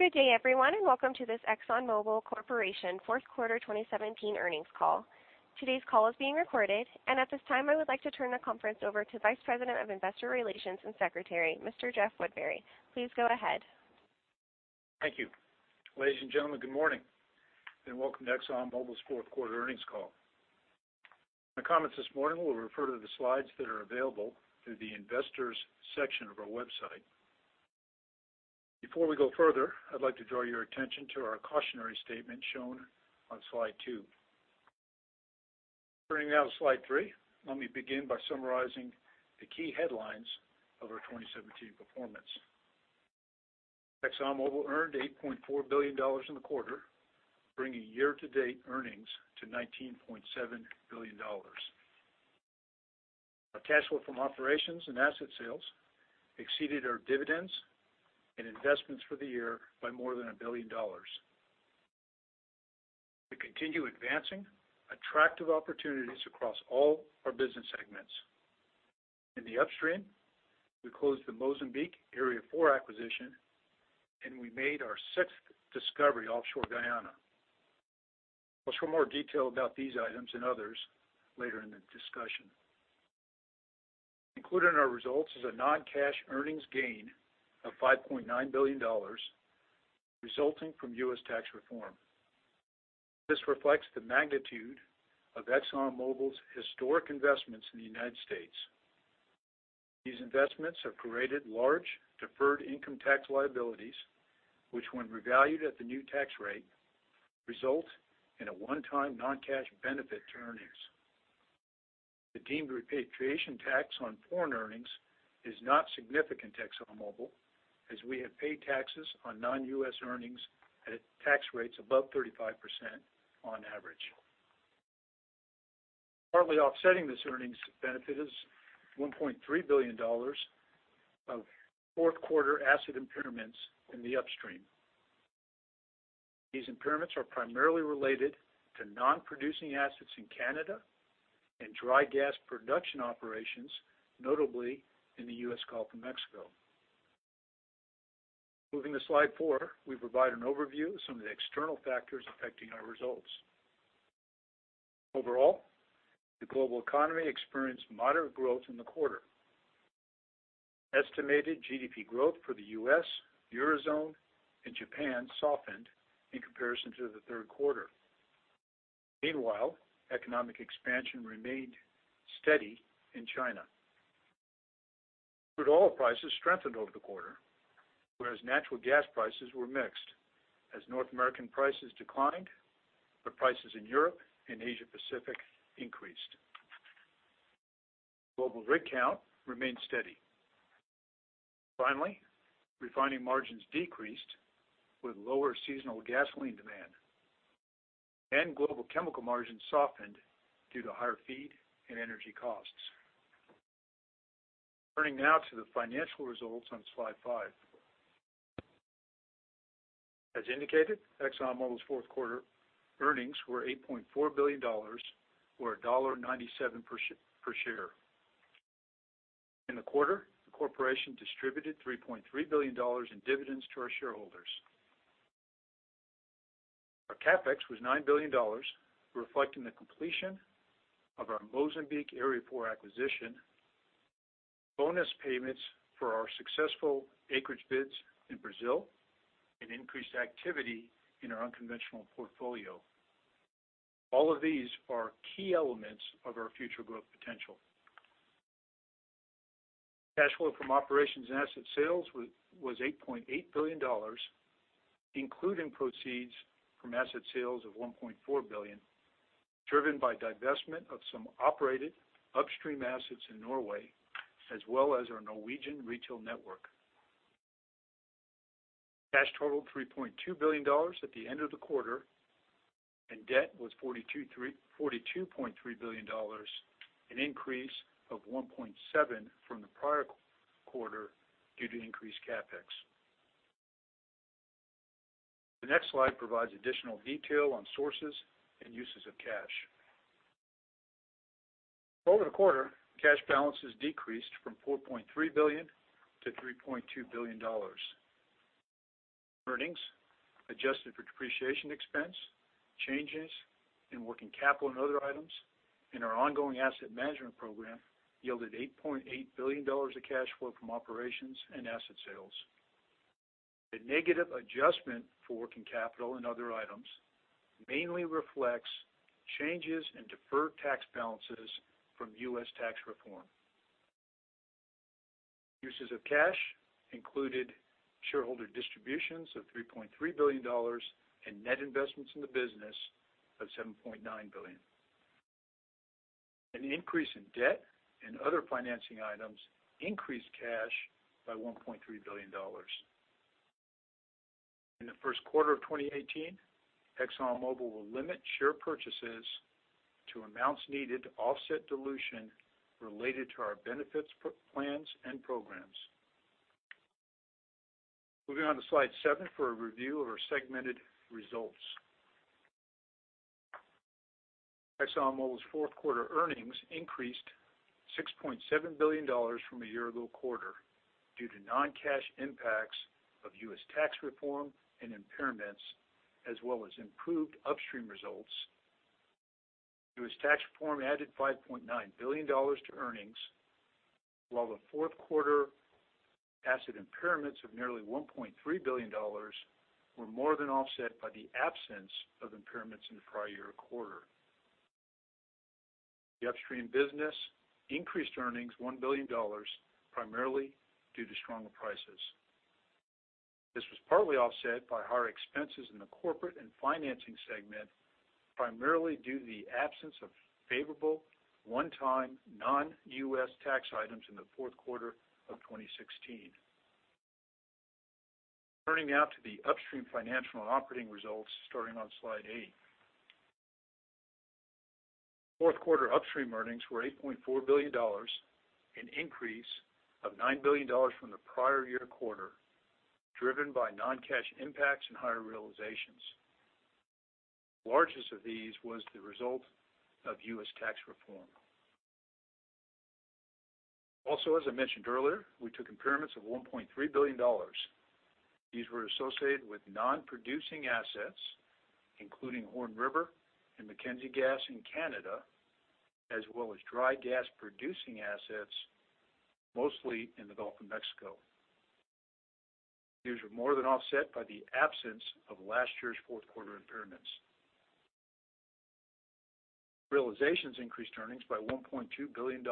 Good day, everyone. Welcome to this ExxonMobil Corporation fourth quarter 2017 earnings call. Today's call is being recorded, and at this time, I would like to turn the conference over to Vice President of Investor Relations and Secretary, Mr. Jeff Woodbury. Please go ahead. Thank you. Ladies and gentlemen, good morning, welcome to ExxonMobil's fourth quarter earnings call. My comments this morning will refer to the slides that are available through the Investors Section of our website. Before we go further, I'd like to draw your attention to our cautionary statement shown on slide two. Turning now to slide three. Let me begin by summarizing the key headlines of our 2017 performance. ExxonMobil earned $8.4 billion in the quarter, bringing year-to-date earnings to $19.7 billion. Our cash flow from operations and asset sales exceeded our dividends and investments for the year by more than $1 billion. We continue advancing attractive opportunities across all our business segments. In the upstream, we closed the Mozambique Area 4 acquisition. We made our sixth discovery offshore Guyana. I'll share more detail about these items and others later in the discussion. Included in our results is a non-cash earnings gain of $5.9 billion resulting from U.S. tax reform. This reflects the magnitude of ExxonMobil's historic investments in the United States. These investments have created large deferred income tax liabilities, which when revalued at the new tax rate, result in a one-time non-cash benefit to earnings. The deemed repatriation tax on foreign earnings is not significant to ExxonMobil, as we have paid taxes on non-U.S. earnings at tax rates above 35% on average. Partly offsetting this earnings benefit is $1.3 billion of fourth-quarter asset impairments in the upstream. These impairments are primarily related to non-producing assets in Canada and dry gas production operations, notably in the U.S. Gulf of Mexico. Moving to slide four, we provide an overview of some of the external factors affecting our results. Overall, the global economy experienced moderate growth in the quarter. Estimated GDP growth for the U.S., Eurozone, Japan softened in comparison to the third quarter. Meanwhile, economic expansion remained steady in China. Crude oil prices strengthened over the quarter, whereas natural gas prices were mixed, as North American prices declined. Prices in Europe and Asia Pacific increased. Global rig count remained steady. Finally, refining margins decreased with lower seasonal gasoline demand. Global chemical margins softened due to higher feed and energy costs. Turning now to the financial results on slide five. As indicated, ExxonMobil's fourth-quarter earnings were $8.4 billion, or $1.97 per share. In the quarter, the corporation distributed $3.3 billion in dividends to our shareholders. Our CapEx was $9 billion, reflecting the completion of our Mozambique Area 4 acquisition, bonus payments for our successful acreage bids in Brazil, increased activity in our unconventional portfolio. All of these are key elements of our future growth potential. Cash flow from operations and asset sales was $8.8 billion, including proceeds from asset sales of $1.4 billion, driven by divestment of some operated upstream assets in Norway, as well as our Norwegian retail network. Cash totaled $3.2 billion at the end of the quarter, and debt was $42.3 billion, an increase of $1.7 from the prior quarter due to increased CapEx. The next slide provides additional detail on sources and uses of cash. Over the quarter, cash balances decreased from $4.3 billion to $3.2 billion. Earnings, adjusted for depreciation expense, changes in working capital and other items in our ongoing asset management program yielded $8.8 billion of cash flow from operations and asset sales. The negative adjustment for working capital and other items mainly reflects changes in deferred tax balances from U.S. tax reform. Uses of cash included shareholder distributions of $3.3 billion and net investments in the business of $7.9 billion. An increase in debt and other financing items increased cash by $1.3 billion. In the first quarter of 2018, ExxonMobil will limit share purchases to amounts needed to offset dilution related to our benefits plans and programs. Moving on to slide seven for a review of our segmented results. Exxon Mobil's fourth quarter earnings increased $6.7 billion from a year ago quarter due to non-cash impacts of U.S. tax reform and impairments, as well as improved upstream results. U.S. tax reform added $5.9 billion to earnings, while the fourth quarter asset impairments of nearly $1.3 billion were more than offset by the absence of impairments in the prior year quarter. The upstream business increased earnings by $1 billion, primarily due to stronger prices. This was partly offset by higher expenses in the corporate and financing segment, primarily due to the absence of favorable one-time non-U.S. tax items in the fourth quarter of 2016. Turning now to the upstream financial and operating results, starting on slide eight. Fourth quarter upstream earnings were $8.4 billion, an increase of $9 billion from the prior year quarter, driven by non-cash impacts and higher realizations. The largest of these was the result of U.S. tax reform. Also, as I mentioned earlier, we took impairments of $1.3 billion. These were associated with non-producing assets, including Horn River and Mackenzie Gas in Canada, as well as dry gas producing assets, mostly in the Gulf of Mexico. These were more than offset by the absence of last year's fourth quarter impairments. Realizations increased earnings by $1.2 billion.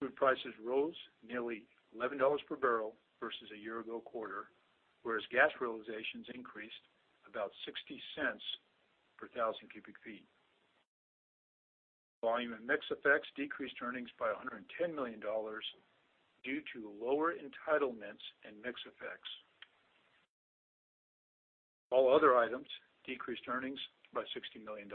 Crude prices rose nearly $11 per barrel versus the year-ago quarter, whereas gas realizations increased about $0.60 per thousand cubic feet. Volume and mix effects decreased earnings by $110 million due to lower entitlements and mix effects. All other items decreased earnings by $60 million.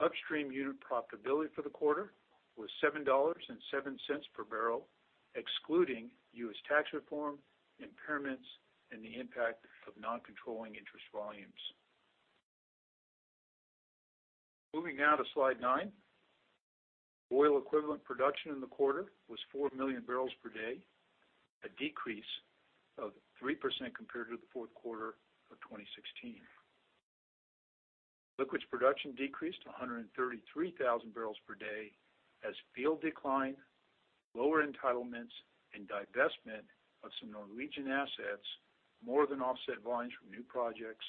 Upstream unit profitability for the quarter was $7.07 per barrel, excluding U.S. tax reform, impairments, and the impact of non-controlling interest volumes. Moving now to slide nine. Oil equivalent production in the quarter was four million barrels per day, a decrease of 3% compared to the fourth quarter of 2016. Liquids production decreased to 133,000 barrels per day as field decline, lower entitlements, and divestment of some Norwegian assets more than offset volumes from new projects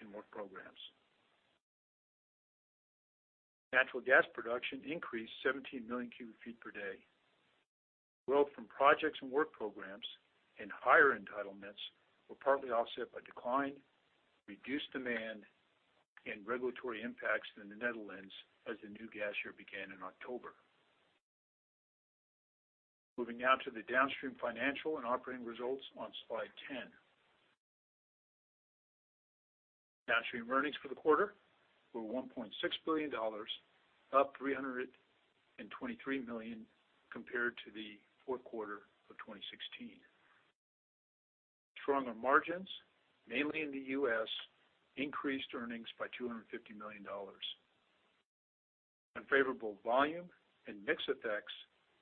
and work programs. Natural gas production increased 17 million cubic feet per day. Growth from projects and work programs and higher entitlements were partly offset by decline, reduced demand, and regulatory impacts in the Netherlands as the new gas year began in October. Moving now to the downstream financial and operating results on slide 10. Downstream earnings for the quarter were $1.6 billion, up $323 million compared to the fourth quarter of 2016. Stronger margins, mainly in the U.S., increased earnings by $250 million. Unfavorable volume and mix effects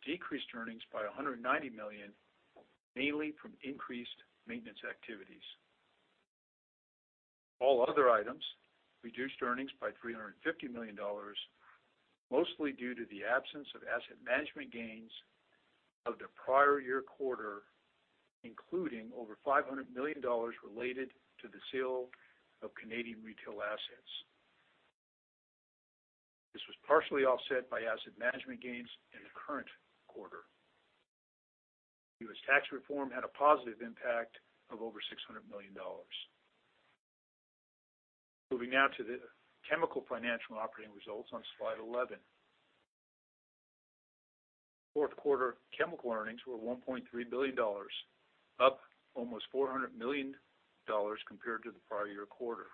decreased earnings by $190 million, mainly from increased maintenance activities. All other items reduced earnings by $350 million, mostly due to the absence of asset management gains of the prior year quarter, including over $500 million related to the sale of Canadian retail assets. This was partially offset by asset management gains in the current quarter. U.S. tax reform had a positive impact of over $600 million. Moving now to the chemical financial and operating results on slide 11. Fourth quarter chemical earnings were $1.3 billion, up almost $400 million compared to the prior year quarter.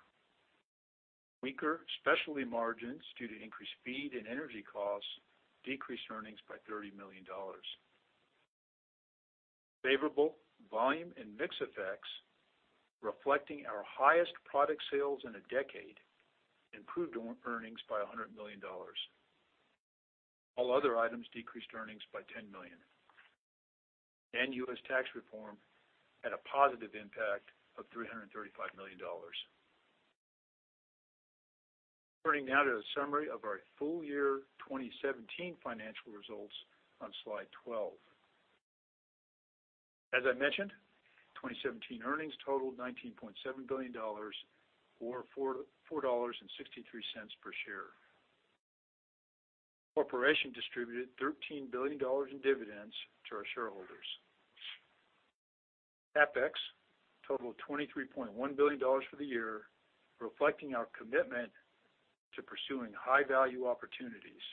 Weaker specialty margins due to increased feed and energy costs decreased earnings by $30 million. Favorable volume and mix effects, reflecting our highest product sales in a decade, improved earnings by $100 million. All other items decreased earnings by $10 million. U.S. tax reform had a positive impact of $335 million. Turning now to the summary of our full year 2017 financial results on slide 12. As I mentioned, 2017 earnings totaled $19.7 billion, or $4.63 per share. The corporation distributed $13 billion in dividends to our shareholders. CapEx totaled $23.1 billion for the year, reflecting our commitment to pursuing high-value opportunities.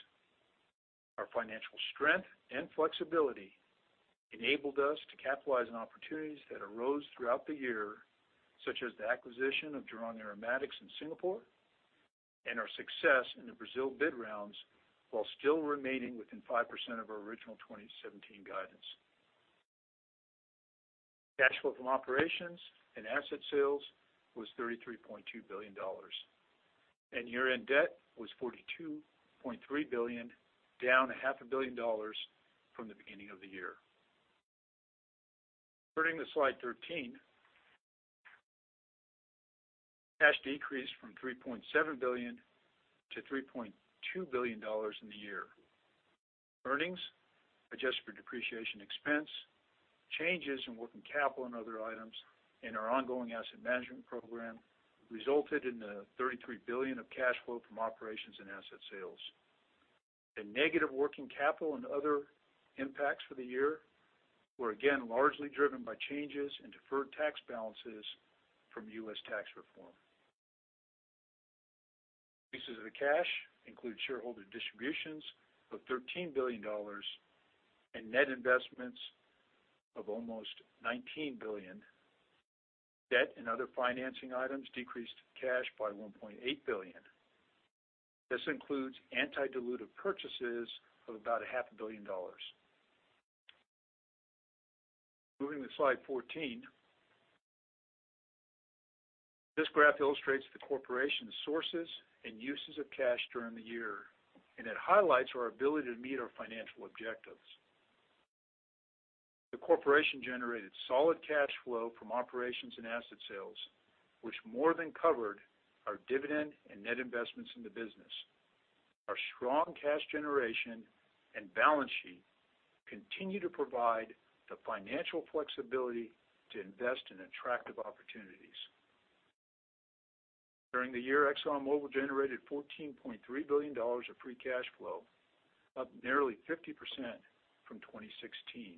Our financial strength and flexibility enabled us to capitalize on opportunities that arose throughout the year, such as the acquisition of Jurong Aromatics in Singapore and our success in the Brazil bid rounds, while still remaining within 5% of our original 2017 guidance. Cash flow from operations and asset sales was $33.2 billion. Year-end debt was $42.3 billion, down a half a billion dollars from the beginning of the year. Turning to slide 13. Cash decreased from $3.7 billion to $3.2 billion in the year. Earnings, adjusted for depreciation expense, changes in working capital and other items in our ongoing asset management program, resulted in the $33 billion of cash flow from operations and asset sales. The negative working capital and other impacts for the year were again largely driven by changes in deferred tax balances from U.S. tax reform. Uses of the cash include shareholder distributions of $13 billion and net investments of almost $19 billion. Debt and other financing items decreased cash by $1.8 billion. This includes anti-dilutive purchases of about a half a billion dollars. Moving to slide 14. This graph illustrates the corporation's sources and uses of cash during the year. It highlights our ability to meet our financial objectives. The corporation generated solid cash flow from operations and asset sales, which more than covered our dividend and net investments in the business. Our strong cash generation and balance sheet continue to provide the financial flexibility to invest in attractive opportunities. During the year, ExxonMobil generated $14.3 billion of free cash flow, up nearly 50% from 2016,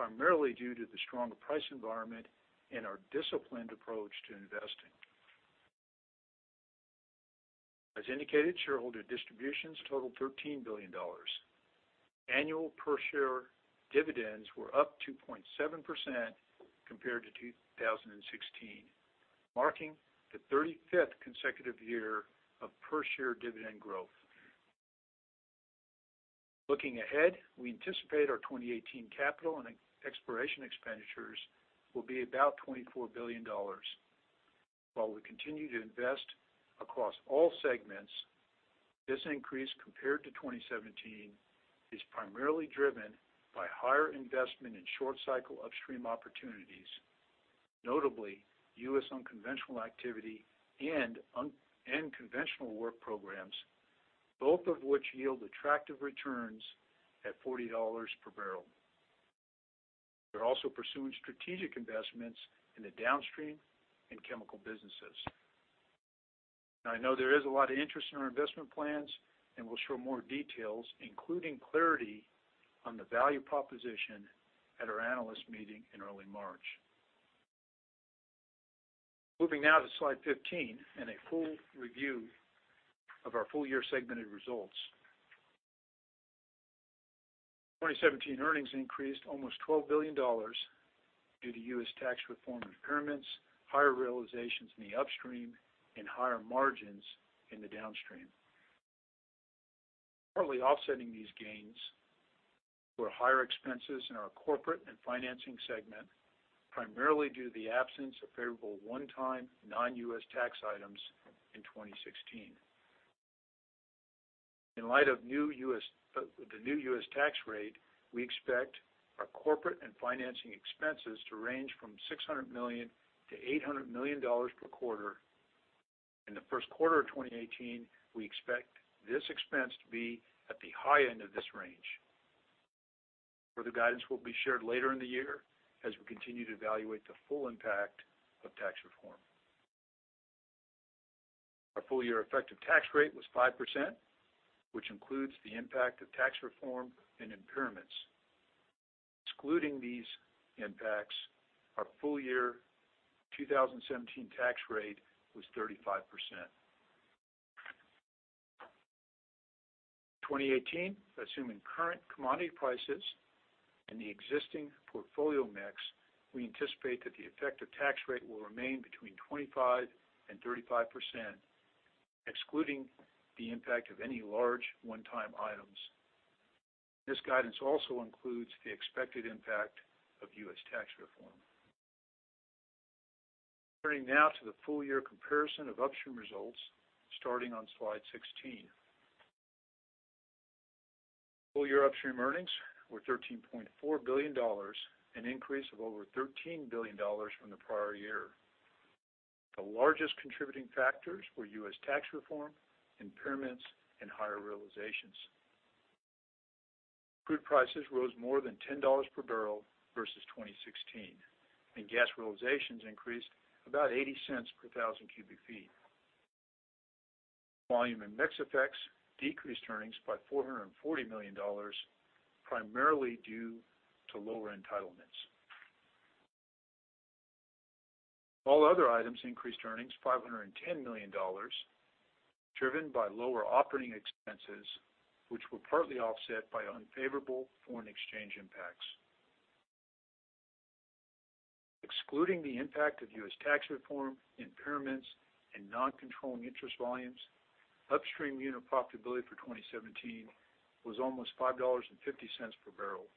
primarily due to the stronger price environment and our disciplined approach to investing. As indicated, shareholder distributions totaled $13 billion. Annual per-share dividends were up 2.7% compared to 2016, marking the 35th consecutive year of per-share dividend growth. Looking ahead, we anticipate our 2018 capital and exploration expenditures will be about $24 billion. While we continue to invest across all segments, this increase compared to 2017 is primarily driven by higher investment in short cycle upstream opportunities, notably U.S. unconventional activity and conventional work programs, both of which yield attractive returns at $40 per barrel. We're also pursuing strategic investments in the downstream and chemical businesses. I know there is a lot of interest in our investment plans, and we'll show more details, including clarity on the value proposition at our analyst meeting in early March. Moving now to slide 15 and a full review of our full year segmented results. 2017 earnings increased almost $12 billion due to U.S. tax reform impairments, higher realizations in the upstream, and higher margins in the downstream. Partly offsetting these gains were higher expenses in our corporate and financing segment, primarily due to the absence of favorable one-time non-U.S. tax items in 2016. In light of the new U.S. tax rate, we expect our corporate and financing expenses to range from $600 million to $800 million per quarter. In the first quarter of 2018, we expect this expense to be at the high end of this range, where the guidance will be shared later in the year as we continue to evaluate the full impact of tax reform. Our full-year effective tax rate was 5%, which includes the impact of tax reform and impairments. Excluding these impacts, our full-year 2017 tax rate was 35%. 2018, assuming current commodity prices and the existing portfolio mix, we anticipate that the effective tax rate will remain between 25% and 35%, excluding the impact of any large one-time items. This guidance also includes the expected impact of U.S. tax reform. Turning now to the full-year comparison of upstream results starting on slide 16. Full-year upstream earnings were $13.4 billion, an increase of over $13 billion from the prior year. The largest contributing factors were U.S. tax reform, impairments, and higher realizations. Crude prices rose more than $10 per barrel versus 2016, and gas realizations increased about $0.80 per thousand cubic feet. Volume and mix effects decreased earnings by $440 million, primarily due to lower entitlements. All other items increased earnings $510 million, driven by lower operating expenses, which were partly offset by unfavorable foreign exchange impacts. Excluding the impact of U.S. tax reform, impairments, and non-controlling interest volumes Upstream unit profitability for 2017 was almost $5.50 per barrel.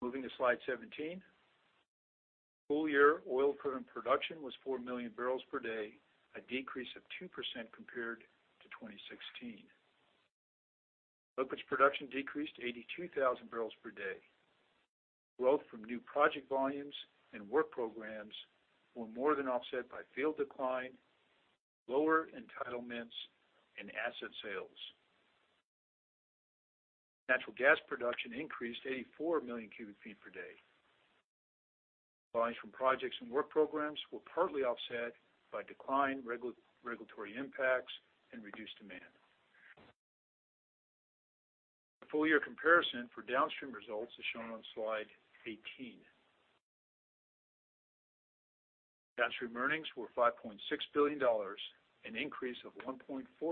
Moving to slide 17. Full year oil equivalent production was 4 million barrels per day, a decrease of 2% compared to 2016. Liquid production decreased 82,000 barrels per day. Growth from new project volumes and work programs were more than offset by field decline, lower entitlements, and asset sales. Natural gas production increased to 84 million cubic feet per day. Volumes from projects and work programs were partly offset by decline, regulatory impacts, and reduced demand. The full year comparison for downstream results is shown on slide 18. Downstream earnings were $5.6 billion, an increase of $1.4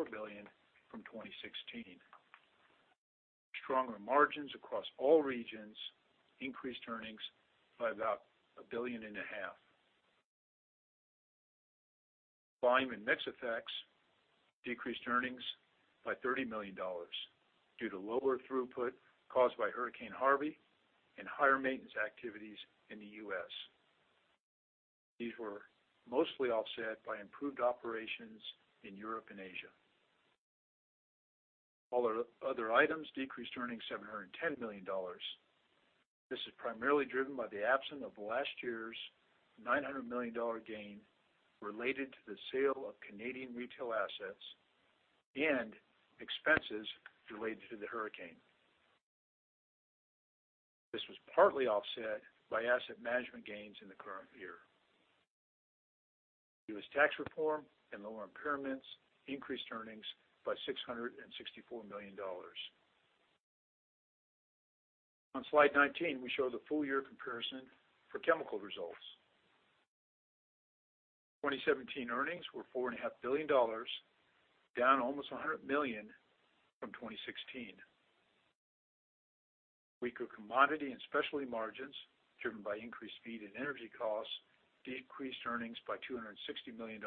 billion from 2016. Stronger margins across all regions increased earnings by about a billion and a half. Volume and mix effects decreased earnings by $30 million due to lower throughput caused by Hurricane Harvey and higher maintenance activities in the U.S. These were mostly offset by improved operations in Europe and Asia. All other items decreased earnings $710 million. This is primarily driven by the absence of last year's $900 million gain related to the sale of Canadian retail assets and expenses related to the hurricane. This was partly offset by asset management gains in the current year. U.S. tax reform and lower impairments increased earnings by $664 million. On slide 19, we show the full year comparison for chemical results. 2017 earnings were $4.5 billion, down almost $100 million from 2016. Weaker commodity and specialty margins, driven by increased feed and energy costs, decreased earnings by $260 million.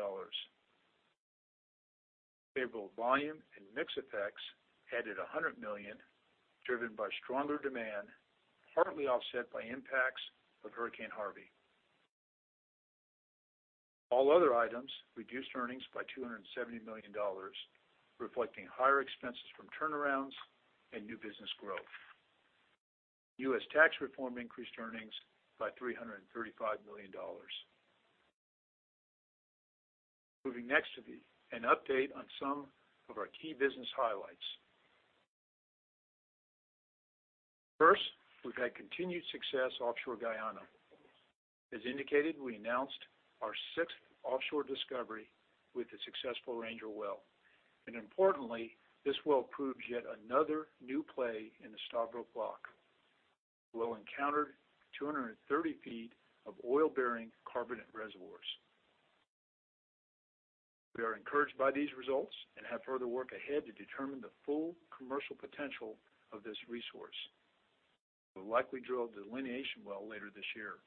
Favorable volume and mix effects added $100 million, driven by stronger demand, partly offset by impacts of Hurricane Harvey. All other items reduced earnings by $270 million, reflecting higher expenses from turnarounds and new business growth. U.S. tax reform increased earnings by $335 million. Moving next to an update on some of our key business highlights. First, we've had continued success offshore Guyana. As indicated, we announced our sixth offshore discovery with the successful Ranger well. Importantly, this well proves yet another new play in the Stabroek Block. The well encountered 230 feet of oil-bearing carbonate reservoirs. We are encouraged by these results and have further work ahead to determine the full commercial potential of this resource. We'll likely drill a delineation well later this year.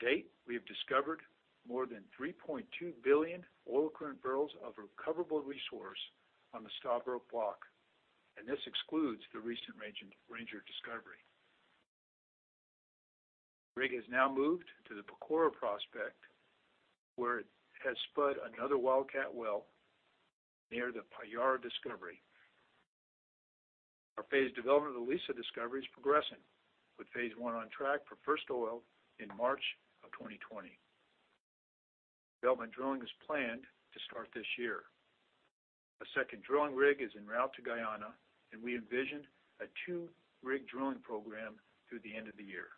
To date, we have discovered more than 3.2 billion oil equivalent barrels of recoverable resource on the Stabroek Block, and this excludes the recent Ranger discovery. The rig has now moved to the Pacora prospect where it has spudded another wildcat well near the Payara discovery. Our phased development of the Liza discovery is progressing, with phase 1 on track for first oil in March of 2020. Development drilling is planned to start this year. A second drilling rig is en route to Guyana, and we envision a two-rig drilling program through the end of the year.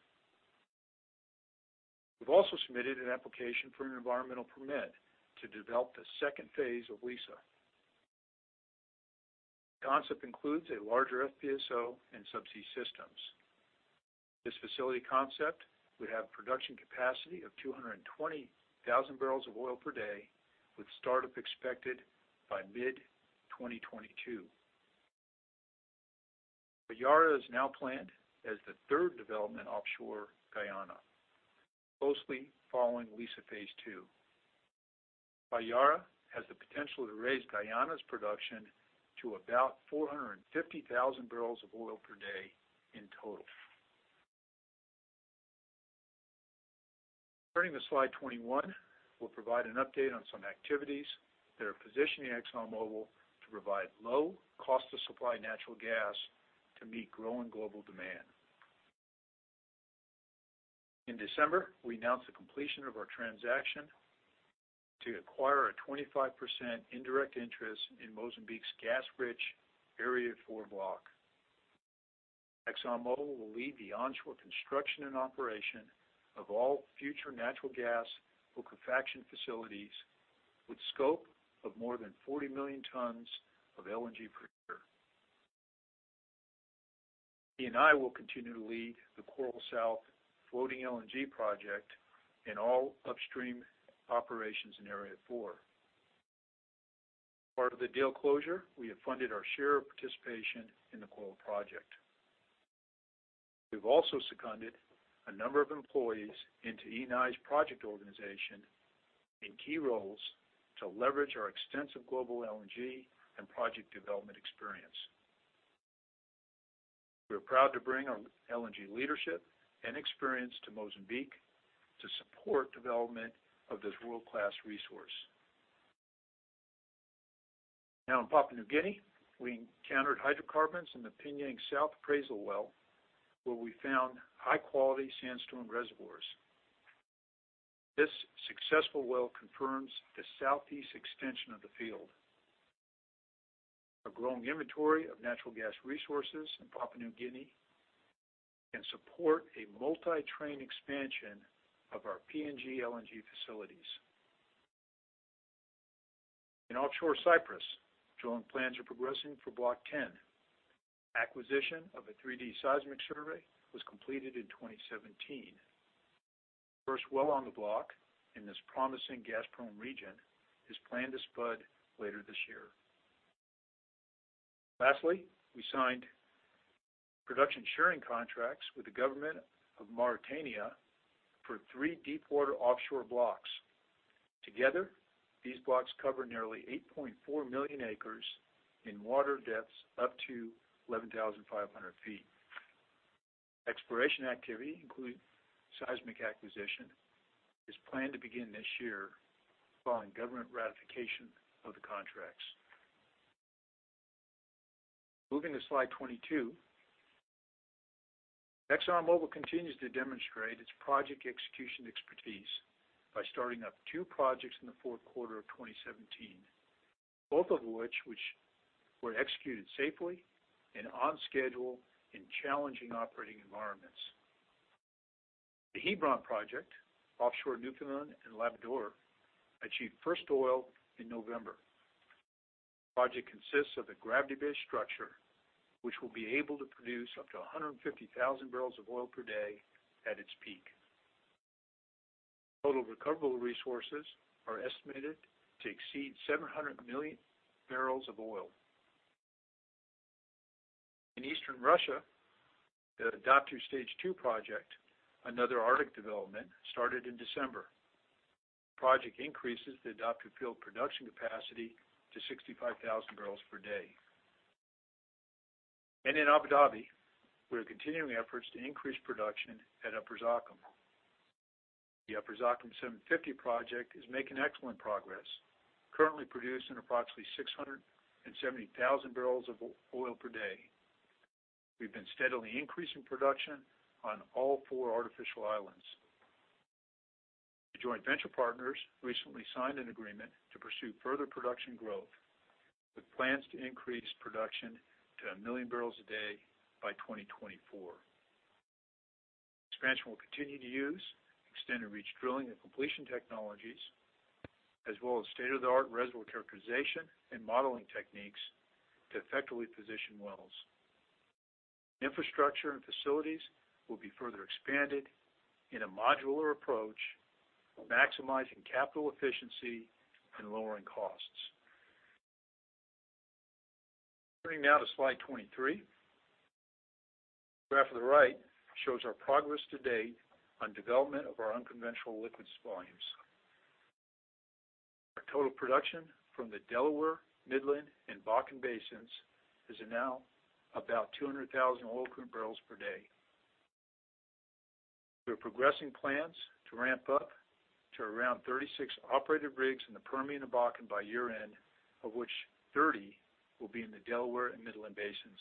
We've also submitted an application for an environmental permit to develop the second phase of Liza. The concept includes a larger FPSO and subsea systems. This facility concept would have production capacity of 220,000 barrels of oil per day with startup expected by mid-2022. Payara is now planned as the third development offshore Guyana, closely following Liza phase 2. Payara has the potential to raise Guyana's production to about 450,000 barrels of oil per day in total. Turning to slide 21, we'll provide an update on some activities that are positioning ExxonMobil to provide low cost of supply natural gas to meet growing global demand. In December, we announced the completion of our transaction to acquire a 25% indirect interest in Mozambique's gas-rich Area 4 block. ExxonMobil will lead the onshore construction and operation of all future natural gas liquefaction facilities with scope of more than 40 million tons of LNG per year. Eni will continue to lead the Coral South floating LNG project and all upstream operations in Area 4. Part of the deal closure, we have funded our share of participation in the Coral project. We've also seconded a number of employees into Eni's project organization in key roles to leverage our extensive global LNG and project development experience. We are proud to bring our LNG leadership and experience to Mozambique to support development of this world-class resource. In Papua New Guinea, we encountered hydrocarbons in the P'nyang South appraisal well, where we found high-quality sandstone reservoirs. This successful well confirms the southeast extension of the field. A growing inventory of natural gas resources in Papua New Guinea can support a multi-train expansion of our PNG LNG facilities. In offshore Cyprus, drilling plans are progressing for Block 10. Acquisition of a 3D seismic survey was completed in 2017. First well on the block in this promising gas prone region is planned to spud later this year. Lastly, we signed production sharing contracts with the government of Mauritania for three deepwater offshore blocks. Together, these blocks cover nearly 8.4 million acres in water depths up to 11,500 feet. Exploration activity, including seismic acquisition, is planned to begin this year following government ratification of the contracts. Moving to slide 22. ExxonMobil continues to demonstrate its project execution expertise by starting up two projects in the fourth quarter of 2017, both of which were executed safely and on schedule in challenging operating environments. The Hebron project offshore Newfoundland and Labrador achieved first oil in November. Project consists of a gravity-based structure, which will be able to produce up to 150,000 barrels of oil per day at its peak. Total recoverable resources are estimated to exceed 700 million barrels of oil. In Eastern Russia, the Odoptu Stage 2 project, another Arctic development, started in December. Project increases the Odoptu field production capacity to 65,000 barrels per day. In Abu Dhabi, we are continuing efforts to increase production at Upper Zakum. The Upper Zakum 750 project is making excellent progress, currently producing approximately 670,000 barrels of oil per day. We've been steadily increasing production on all four artificial islands. The joint venture partners recently signed an agreement to pursue further production growth with plans to increase production to 1 million barrels a day by 2024. Expansion will continue to use extended reach drilling and completion technologies, as well as state-of-the-art reservoir characterization and modeling techniques to effectively position wells. Infrastructure and facilities will be further expanded in a modular approach, maximizing capital efficiency and lowering costs. Turning now to slide 23. Graph to the right shows our progress to date on development of our unconventional liquids volumes. Our total production from the Delaware, Midland, and Bakken basins is now about 200,000 oil equivalent barrels per day. We are progressing plans to ramp up to around 36 operated rigs in the Permian and Bakken by year-end, of which 30 will be in the Delaware and Midland basins.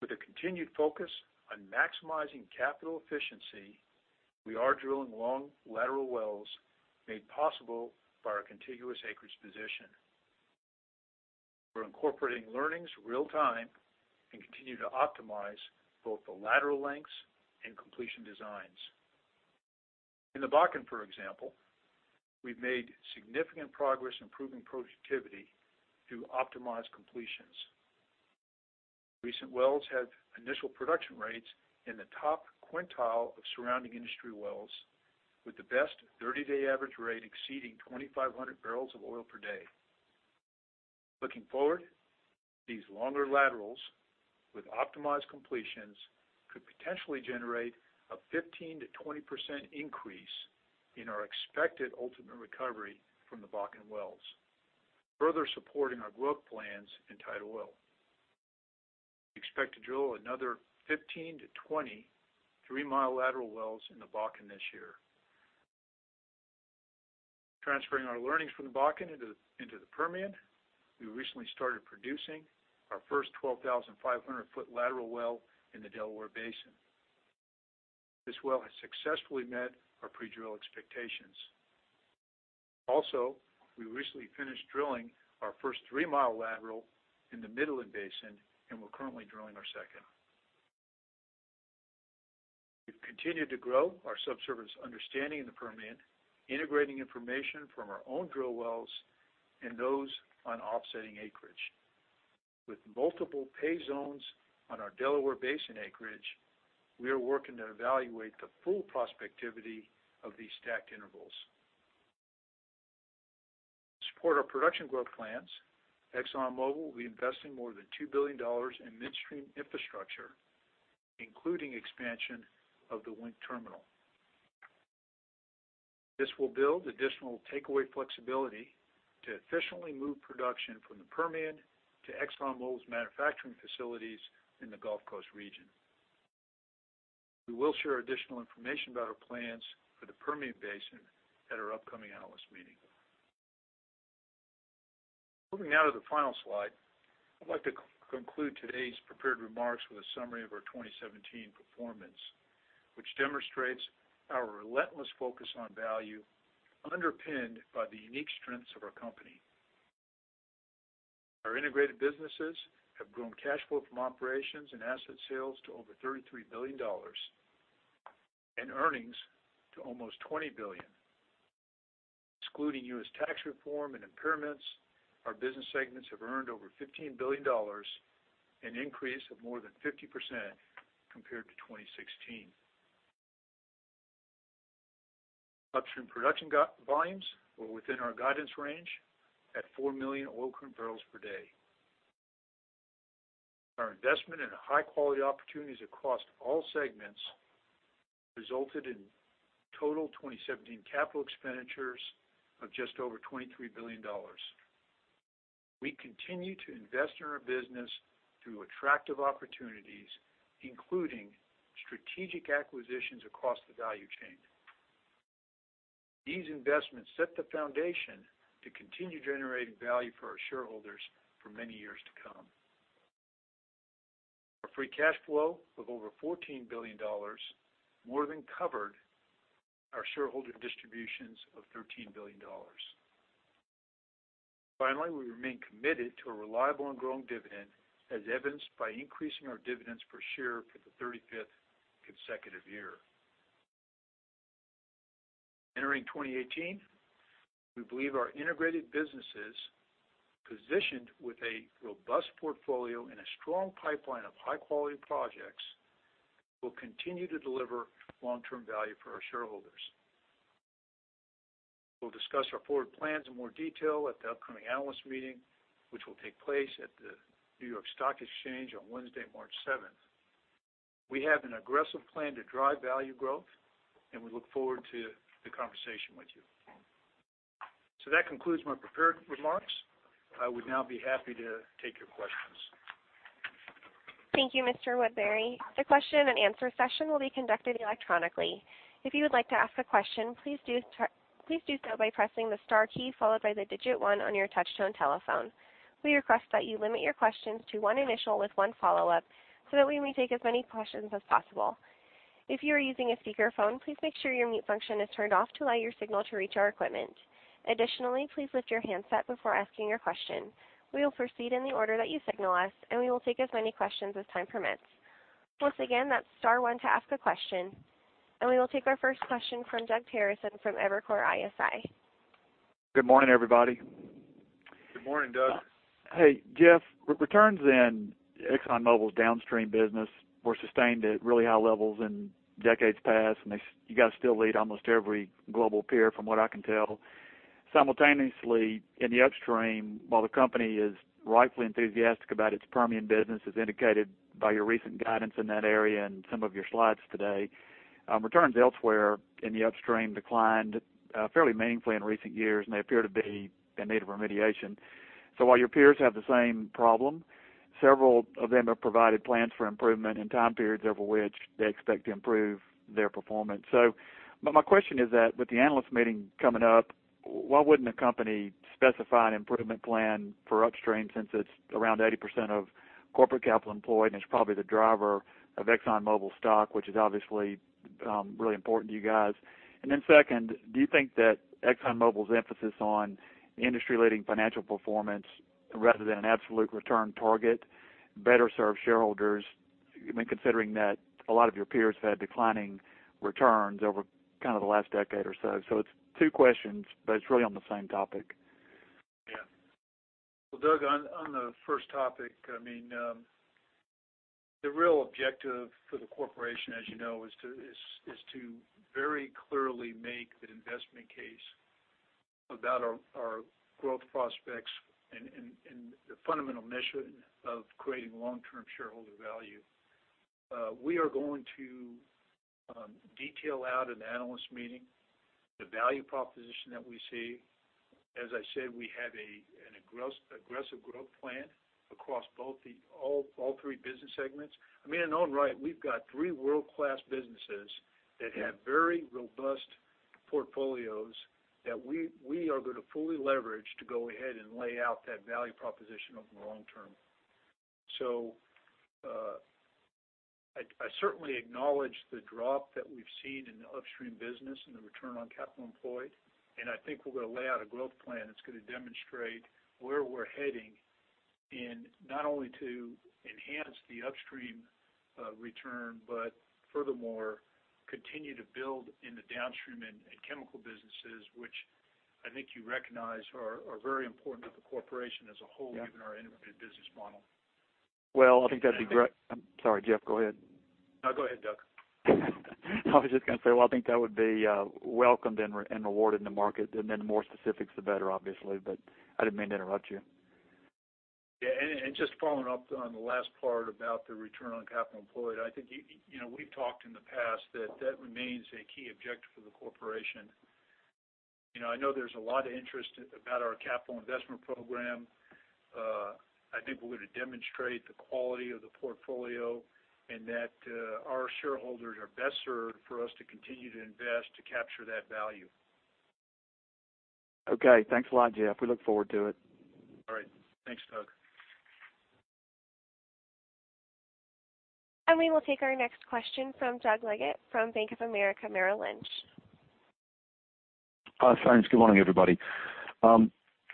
With a continued focus on maximizing capital efficiency, we are drilling long lateral wells made possible by our contiguous acreage position. We're incorporating learnings real time and continue to optimize both the lateral lengths and completion designs. In the Bakken, for example, we've made significant progress improving productivity through optimized completions. Recent wells have initial production rates in the top quintile of surrounding industry wells with the best 30-day average rate exceeding 2,500 barrels of oil per day. Looking forward, these longer laterals with optimized completions could potentially generate a 15%-20% increase in our expected ultimate recovery from the Bakken wells, further supporting our growth plans in tight oil. We expect to drill another 15-20 three-mile lateral wells in the Bakken this year. Transferring our learnings from the Bakken into the Permian, we recently started producing our first 12,500-foot lateral well in the Delaware Basin. This well has successfully met our pre-drill expectations. Also, we recently finished drilling our first three-mile lateral in the Midland Basin, and we're currently drilling our second. We've continued to grow our subsurface understanding in the Permian, integrating information from our own drill wells and those on offsetting acreage. With multiple pay zones on our Delaware Basin acreage, we are working to evaluate the full prospectivity of these stacked intervals. To support our production growth plans, ExxonMobil will be investing more than $2 billion in midstream infrastructure, including expansion of the Wink terminal. This will build additional takeaway flexibility to efficiently move production from the Permian to ExxonMobil's manufacturing facilities in the Gulf Coast region. We will share additional information about our plans for the Permian Basin at our upcoming analyst meeting. Moving now to the final slide, I'd like to conclude today's prepared remarks with a summary of our 2017 performance, which demonstrates our relentless focus on value underpinned by the unique strengths of our company. Our integrated businesses have grown cash flow from operations and asset sales to over $33 billion, and earnings to almost $20 billion. Excluding U.S. tax reform and impairments, our business segments have earned over $15 billion, an increase of more than 50% compared to 2016. Upstream production volumes were within our guidance range at 4 million oil barrels per day. Our investment in high-quality opportunities across all segments resulted in total 2017 capital expenditures of just over $23 billion. We continue to invest in our business through attractive opportunities, including strategic acquisitions across the value chain. These investments set the foundation to continue generating value for our shareholders for many years to come. Our free cash flow of over $14 billion more than covered our shareholder distributions of $13 billion. Finally, we remain committed to a reliable and growing dividend, as evidenced by increasing our dividends per share for the 35th consecutive year. Entering 2018, we believe our integrated businesses, positioned with a robust portfolio and a strong pipeline of high-quality projects, will continue to deliver long-term value for our shareholders. We'll discuss our forward plans in more detail at the upcoming analyst meeting, which will take place at the New York Stock Exchange on Wednesday, March 7th. We have an aggressive plan to drive value growth, we look forward to the conversation with you. That concludes my prepared remarks. I would now be happy to take your questions. Thank you, Mr. Woodbury. The question and answer session will be conducted electronically. If you would like to ask a question, please do so by pressing the star key, followed by the digit one on your touch-tone telephone. We request that you limit your questions to one initial with one follow-up, so that we may take as many questions as possible. If you are using a speakerphone, please make sure your mute function is turned off to allow your signal to reach our equipment. Additionally, please lift your handset before asking your question. We will proceed in the order that you signal us, and we will take as many questions as time permits. Once again, that's star one to ask a question. We will take our first question from Doug Terreson from Evercore ISI. Good morning, everybody. Good morning, Doug. Hey, Jeff. Returns in ExxonMobil's downstream business were sustained at really high levels in decades past, and you guys still lead almost every global peer from what I can tell. Simultaneously, in the upstream, while the company is rightfully enthusiastic about its Permian business, as indicated by your recent guidance in that area and some of your slides today, returns elsewhere in the upstream declined fairly meaningfully in recent years, and they appear to be in need of remediation. While your peers have the same problem, several of them have provided plans for improvement and time periods over which they expect to improve their performance. My question is that with the analyst meeting coming up, why wouldn't a company specify an improvement plan for upstream since it's around 80% of corporate capital employed and it's probably the driver of ExxonMobil stock, which is obviously really important to you guys? Second, do you think that ExxonMobil's emphasis on industry-leading financial performance rather than an absolute return target better serves shareholders, considering that a lot of your peers have had declining returns over the last decade or so? It's two questions, but it's really on the same topic. Yeah. Well, Doug, on the first topic, the real objective for the corporation, as you know, is to very clearly make the investment case about our growth prospects and the fundamental mission of creating long-term shareholder value. We are going to detail out at the analyst meeting the value proposition that we see. As I said, we have an aggressive growth plan across all three business segments. In our own right, we've got three world-class businesses that have very robust portfolios that we are going to fully leverage to go ahead and lay out that value proposition over the long term. I certainly acknowledge the drop that we've seen in the upstream business and the return on capital employed. I think we're going to lay out a growth plan that's going to demonstrate where we're heading in not only to enhance the upstream return, but furthermore, continue to build in the downstream and chemical businesses, which I think you recognize are very important to the corporation as a whole. Yeah given our integrated business model. Well, I think that'd be great. I'm sorry, Jeff, go ahead. Go ahead, Doug. I was just going to say, well, I think that would be welcomed and rewarded in the market, the more specifics, the better, obviously, I didn't mean to interrupt you. Just following up on the last part about the return on capital employed, I think we've talked in the past that that remains a key objective for the Corporation. I know there's a lot of interest about our capital investment program. I think we're going to demonstrate the quality of the portfolio and that our shareholders are best served for us to continue to invest to capture that value. Okay. Thanks a lot, Jeff. We look forward to it. All right. Thanks, Doug. We will take our next question from Doug Leggate from Bank of America Merrill Lynch. Thanks. Good morning, everybody.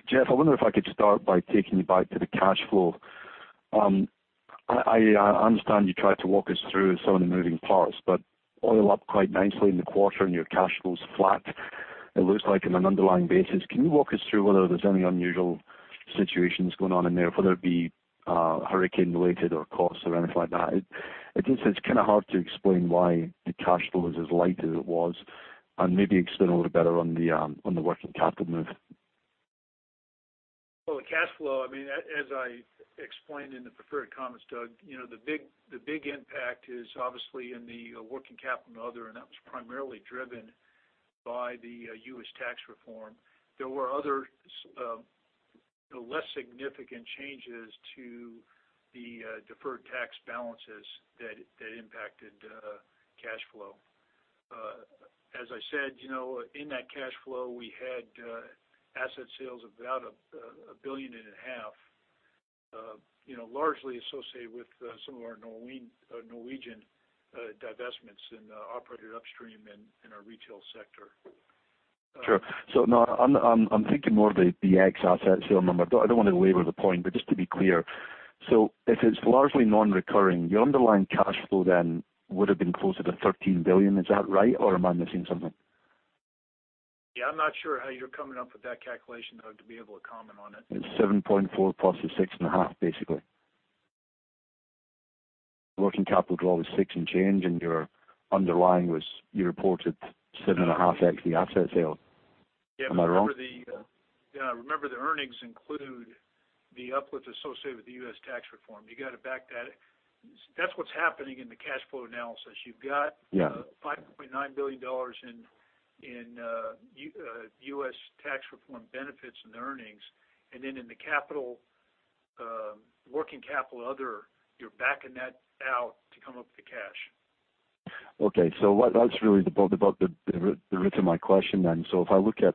Jeff, I wonder if I could start by taking you back to the cash flow. I understand you tried to walk us through some of the moving parts, oil up quite nicely in the quarter and your cash flow's flat, it looks like, on an underlying basis. Can you walk us through whether there's any unusual situations going on in there, whether it be hurricane-related or costs or anything like that? It's just kind of hard to explain why the cash flow is as light as it was, maybe explain a little better on the working capital move. Well, the cash flow, as I explained in the prepared comments, Doug, the big impact is obviously in the working capital and other, and that was primarily driven by the U.S. tax reform. There were other less significant changes to the deferred tax balances that impacted cash flow. As I said, in that cash flow, we had asset sales of about a billion and a half, largely associated with some of our Norwegian divestments in operated upstream and our retail sector. Sure. No, I'm thinking more of the ex asset sale number. I don't want to labor the point, but just to be clear, if it's largely non-recurring, your underlying cash flow then would've been closer to $13 billion. Is that right, or am I missing something? Yeah, I'm not sure how you're coming up with that calculation, Doug, to be able to comment on it. It's 7.4 plus the six and a half, basically. Working capital draw was six and change, and your underlying was, you reported seven and a half ex the asset sale. Am I wrong? Yeah, remember the earnings include the uplifts associated with the U.S. tax reform. You got to back that. That's what's happening in the cash flow analysis. You've got- Yeah $5.9 billion in U.S. tax reform benefits in the earnings, then in the working capital other, you're backing that out to come up with the cash. Okay. That's really the root of my question then. If I look at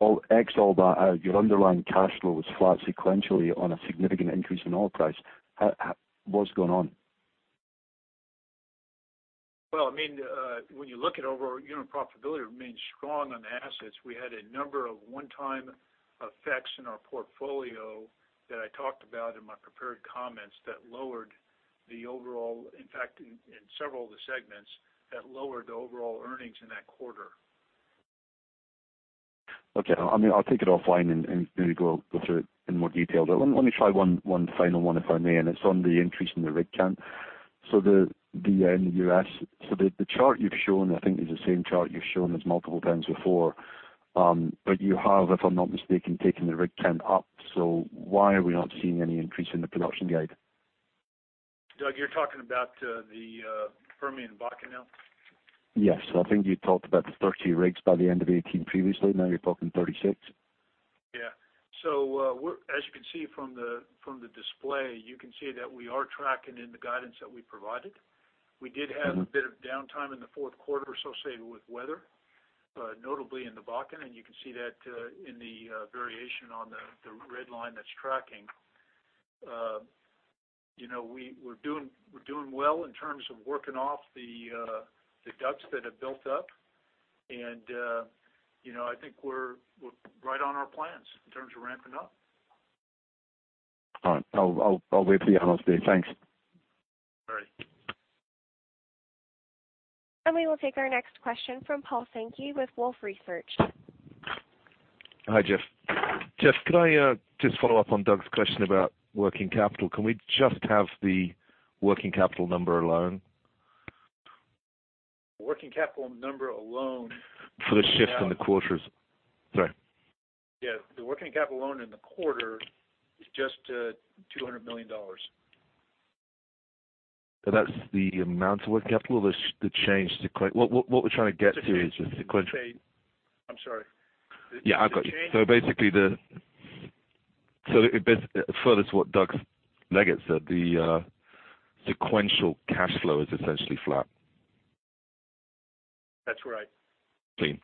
all, ex all that out, your underlying cash flow is flat sequentially on a significant increase in oil price. What's going on? Well, when you look at overall unit profitability remains strong on the assets. We had a number of one-time effects in our portfolio that I talked about in my prepared comments that lowered the overall, in fact, in several of the segments, that lowered the overall earnings in that quarter. Okay. I'll take it offline and maybe go through it in more detail, but let me try one final one, if I may, and it's on the increase in the rig count. In the U.S., the chart you've shown, I think is the same chart you've shown us multiple times before. You have, if I'm not mistaken, taken the rig count up. Why are we not seeing any increase in the production guide? Doug, you're talking about the Permian Bakken now? Yes. I think you talked about the 30 rigs by the end of 2018 previously. Now you're talking 36. Yeah. As you can see from the display, you can see that we are tracking in the guidance that we provided. We did have a bit of downtime in the fourth quarter associated with weather, notably in the Bakken, and you can see that in the variation on the red line that's tracking. We're doing well in terms of working off the DUCs that have built up, and I think we're right on our plans in terms of ramping up. All right. I'll wait for your update. Thanks. All right. We will take our next question from Paul Sankey with Wolfe Research. Hi, Jeff. Jeff, could I just follow up on Doug's question about working capital? Can we just have the working capital number alone? Working capital number alone. For the shift in the quarters. Sorry. Yeah. The working capital alone in the quarter is just $200 million. That's the amount of working capital or the change? What we're trying to get to is the sequential. The change. I'm sorry. Yeah, I've got you. The change? Further to what Doug Leggate said, the sequential cash flow is essentially flat. That's right. Clean.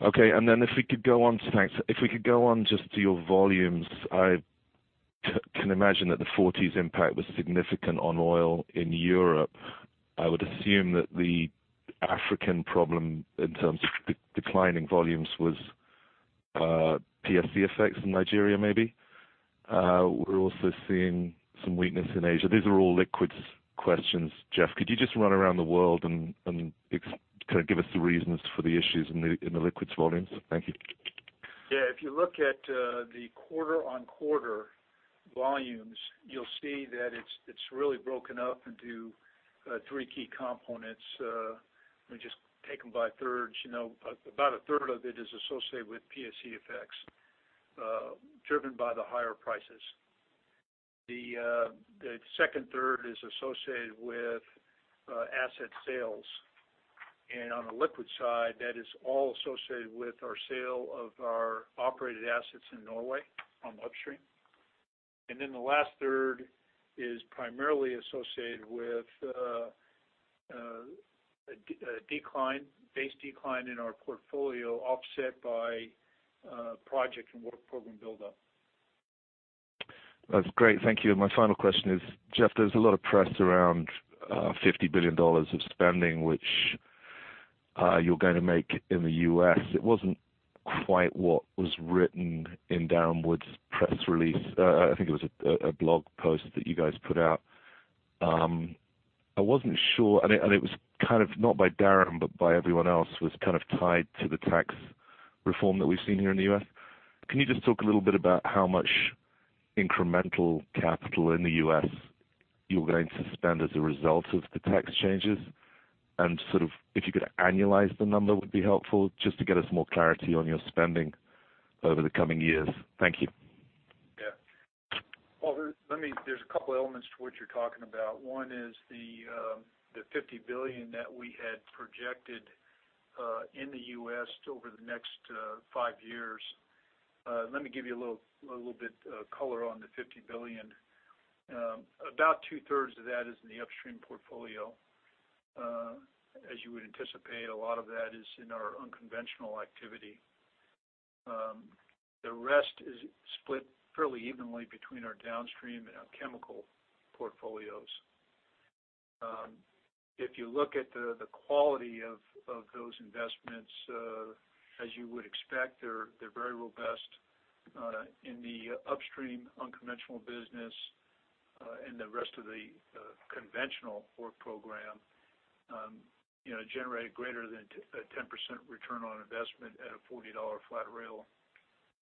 Okay, thanks. If we could go on just to your volumes. I can imagine that the Forties impact was significant on oil in Europe. I would assume that the African problem in terms of declining volumes was PSC effects in Nigeria, maybe? We're also seeing some weakness in Asia. These are all liquids questions, Jeff. Could you just run around the world and give us the reasons for the issues in the liquids volumes? Thank you. Yeah. If you look at the quarter-on-quarter volumes, you'll see that it's really broken up into three key components. Let me just take them by thirds. About a third of it is associated with PSC effects, driven by the higher prices. The second third is associated with asset sales, and on the liquid side, that is all associated with our sale of our operated assets in Norway on upstream. The last third is primarily associated with a base decline in our portfolio offset by project and work program buildup. That's great. Thank you. My final question is, Jeff, there's a lot of press around $50 billion of spending which you're going to make in the U.S. It wasn't quite what was written in Darren Woods' press release. I think it was a blog post that you guys put out. I wasn't sure, it was not by Darren, but by everyone else, was tied to the tax reform that we've seen here in the U.S. Can you just talk a little bit about how much incremental capital in the U.S. you're going to spend as a result of the tax changes? If you could annualize the number would be helpful, just to get us more clarity on your spending over the coming years. Thank you. Yeah. Paul, there's a couple elements to what you're talking about. One is the $50 billion that we had projected in the U.S. over the next 5 years. Let me give you a little bit of color on the $50 billion. About two-thirds of that is in the upstream portfolio. As you would anticipate, a lot of that is in our unconventional activity. The rest is split fairly evenly between our downstream and our chemical portfolios. If you look at the quality of those investments, as you would expect, they're very robust in the upstream unconventional business, and the rest of the conventional work program generated greater than a 10% return on investment at a $40 flat real.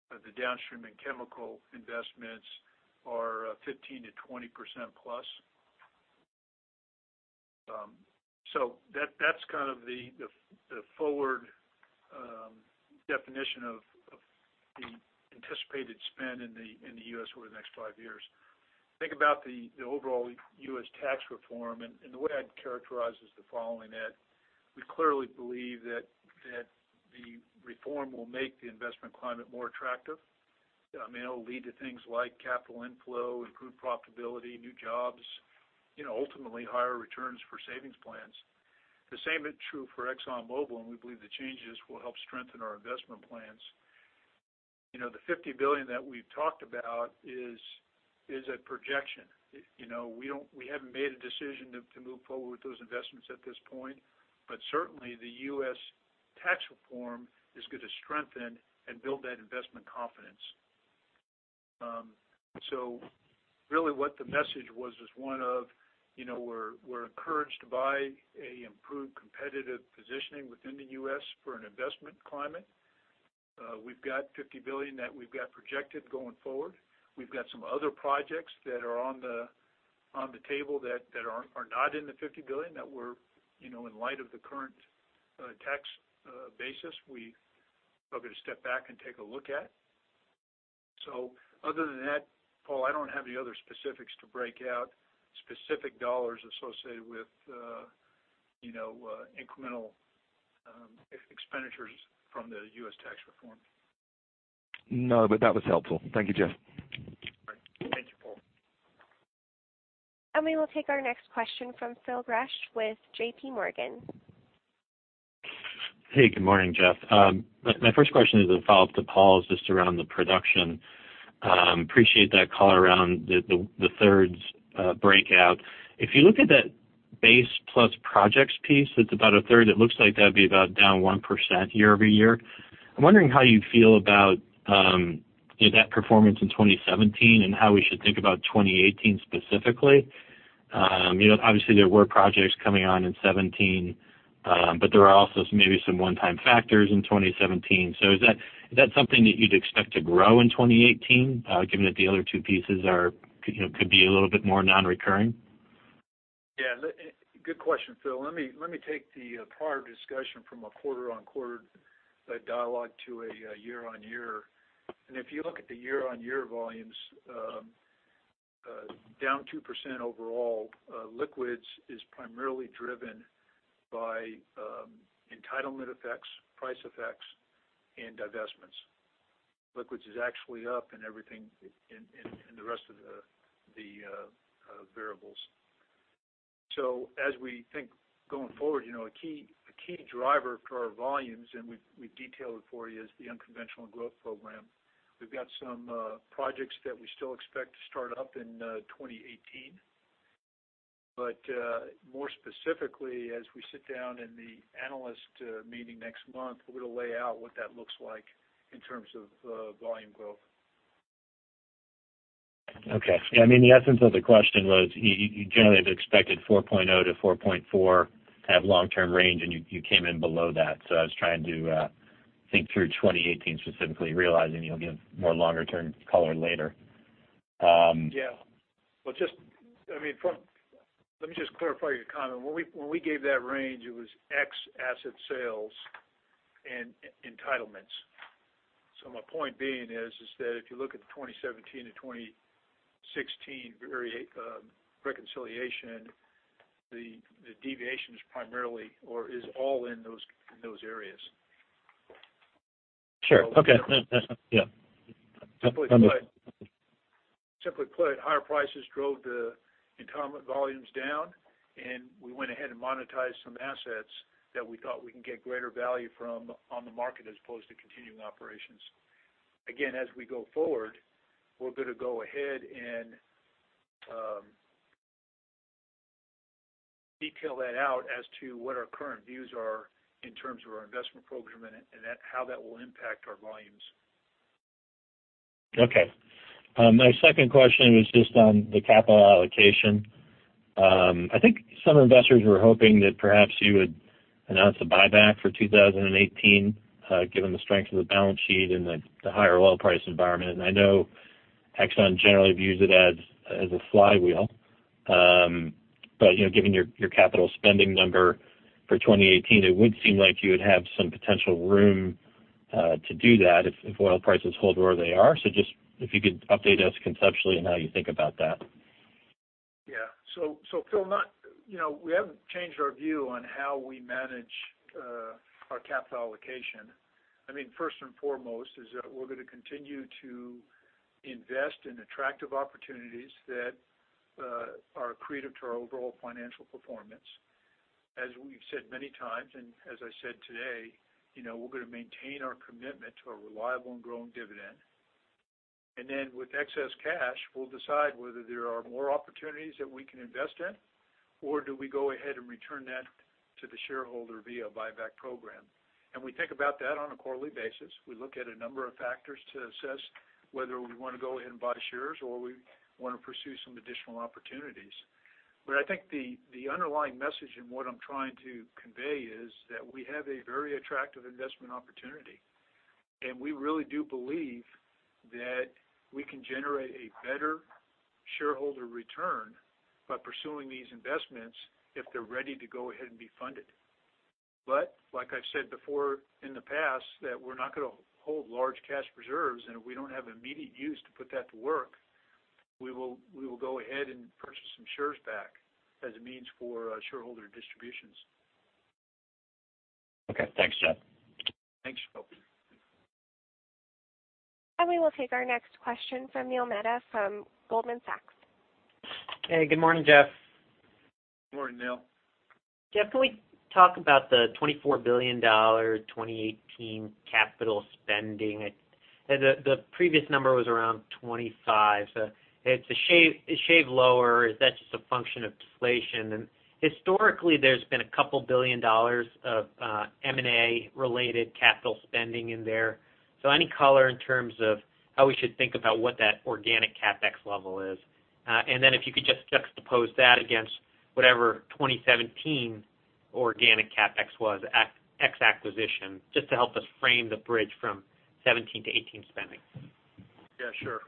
The downstream and chemical investments are 15%-20% plus. That's the forward definition of the anticipated spend in the U.S. over the next 5 years. Think about the overall U.S. tax reform, the way I'd characterize is the following: that we clearly believe that the reform will make the investment climate more attractive. It'll lead to things like capital inflow, improved profitability, new jobs, ultimately higher returns for savings plans. The same is true for ExxonMobil, we believe the changes will help strengthen our investment plans. The $50 billion that we've talked about is a projection. We haven't made a decision to move forward with those investments at this point, but certainly the U.S. tax reform is going to strengthen and build that investment confidence. Really what the message was is one of we're encouraged by an improved competitive positioning within the U.S. for an investment climate. We've got $50 billion that we've got projected going forward. We've got some other projects that are on the table that are not in the $50 billion that in light of the current tax basis, we are going to step back and take a look at. Other than that, Paul, I don't have any other specifics to break out specific dollars associated with incremental expenditures from the U.S. tax reform. No, that was helpful. Thank you, Jeff. All right. Thank you, Paul. We will take our next question from Phil Gresh with J.P. Morgan. Hey, good morning, Jeff. My first question is a follow-up to Paul's just around the production. Appreciate that color around the thirds breakout. If you look at that base plus projects piece, that's about a third. It looks like that would be about down 1% year-over-year. I am wondering how you feel about that performance in 2017 and how we should think about 2018 specifically. Obviously there were projects coming on in 2017, but there are also maybe some one-time factors in 2017. Is that something that you would expect to grow in 2018 given that the other two pieces could be a little bit more non-recurring? Yeah. Good question, Phil. Let me take the prior discussion from a quarter-on-quarter dialogue to a year-on-year. If you look at the year-on-year volumes, down 2% overall, liquids is primarily driven by entitlement effects, price effects, and divestments. Liquids is actually up in the rest of the variables. As we think going forward, a key driver to our volumes, and we have detailed it for you, is the unconventional growth program. We have got some projects that we still expect to start up in 2018 More specifically, as we sit down in the analyst meeting next month, we are going to lay out what that looks like in terms of volume growth. Okay. I mean, the essence of the question was you generally have expected 4.0 to 4.4 to have long-term range, and you came in below that. I was trying to think through 2018 specifically, realizing you'll give more longer-term color later. Yeah. Let me just clarify your comment. When we gave that range, it was ex asset sales and entitlements. My point being is that if you look at the 2017 and 2016 reconciliation, the deviation is primarily, or is all in those areas. Sure. Okay. Yeah. Simply put, higher prices drove the entitlement volumes down, and we went ahead and monetized some assets that we thought we can get greater value from on the market as opposed to continuing operations. Again, as we go forward, we're going to go ahead and detail that out as to what our current views are in terms of our investment program and how that will impact our volumes. Okay. My second question was just on the capital allocation. I think some investors were hoping that perhaps you would announce a buyback for 2018, given the strength of the balance sheet and the higher oil price environment. I know Exxon generally views it as a flywheel. Given your capital spending number for 2018, it would seem like you would have some potential room to do that if oil prices hold where they are. Just if you could update us conceptually on how you think about that. Yeah. Phil, we haven't changed our view on how we manage our capital allocation. First and foremost is that we're going to continue to invest in attractive opportunities that are accretive to our overall financial performance. As we've said many times, and as I said today, we're going to maintain our commitment to a reliable and growing dividend. With excess cash, we'll decide whether there are more opportunities that we can invest in or do we go ahead and return that to the shareholder via buyback program. We think about that on a quarterly basis. We look at a number of factors to assess whether we want to go ahead and buy shares or we want to pursue some additional opportunities. I think the underlying message and what I'm trying to convey is that we have a very attractive investment opportunity, and we really do believe that we can generate a better shareholder return by pursuing these investments if they're ready to go ahead and be funded. Like I've said before in the past, that we're not going to hold large cash reserves, and if we don't have immediate use to put that to work, we will go ahead and purchase some shares back as a means for shareholder distributions. Okay. Thanks, Jeff. Thanks, Phil. We will take our next question from Neil Mehta from Goldman Sachs. Hey, good morning, Jeff. Morning, Neil. Jeff, can we talk about the $24 billion 2018 capital spending? The previous number was around $25 billion. It's shaved lower. Is that just a function of deflation? Historically, there's been a couple billion dollars of M&A-related CapEx in there. Any color in terms of how we should think about what that organic CapEx level is? If you could just juxtapose that against whatever 2017 organic CapEx was ex acquisition, just to help us frame the bridge from 2017 to 2018 spending. Yeah, sure.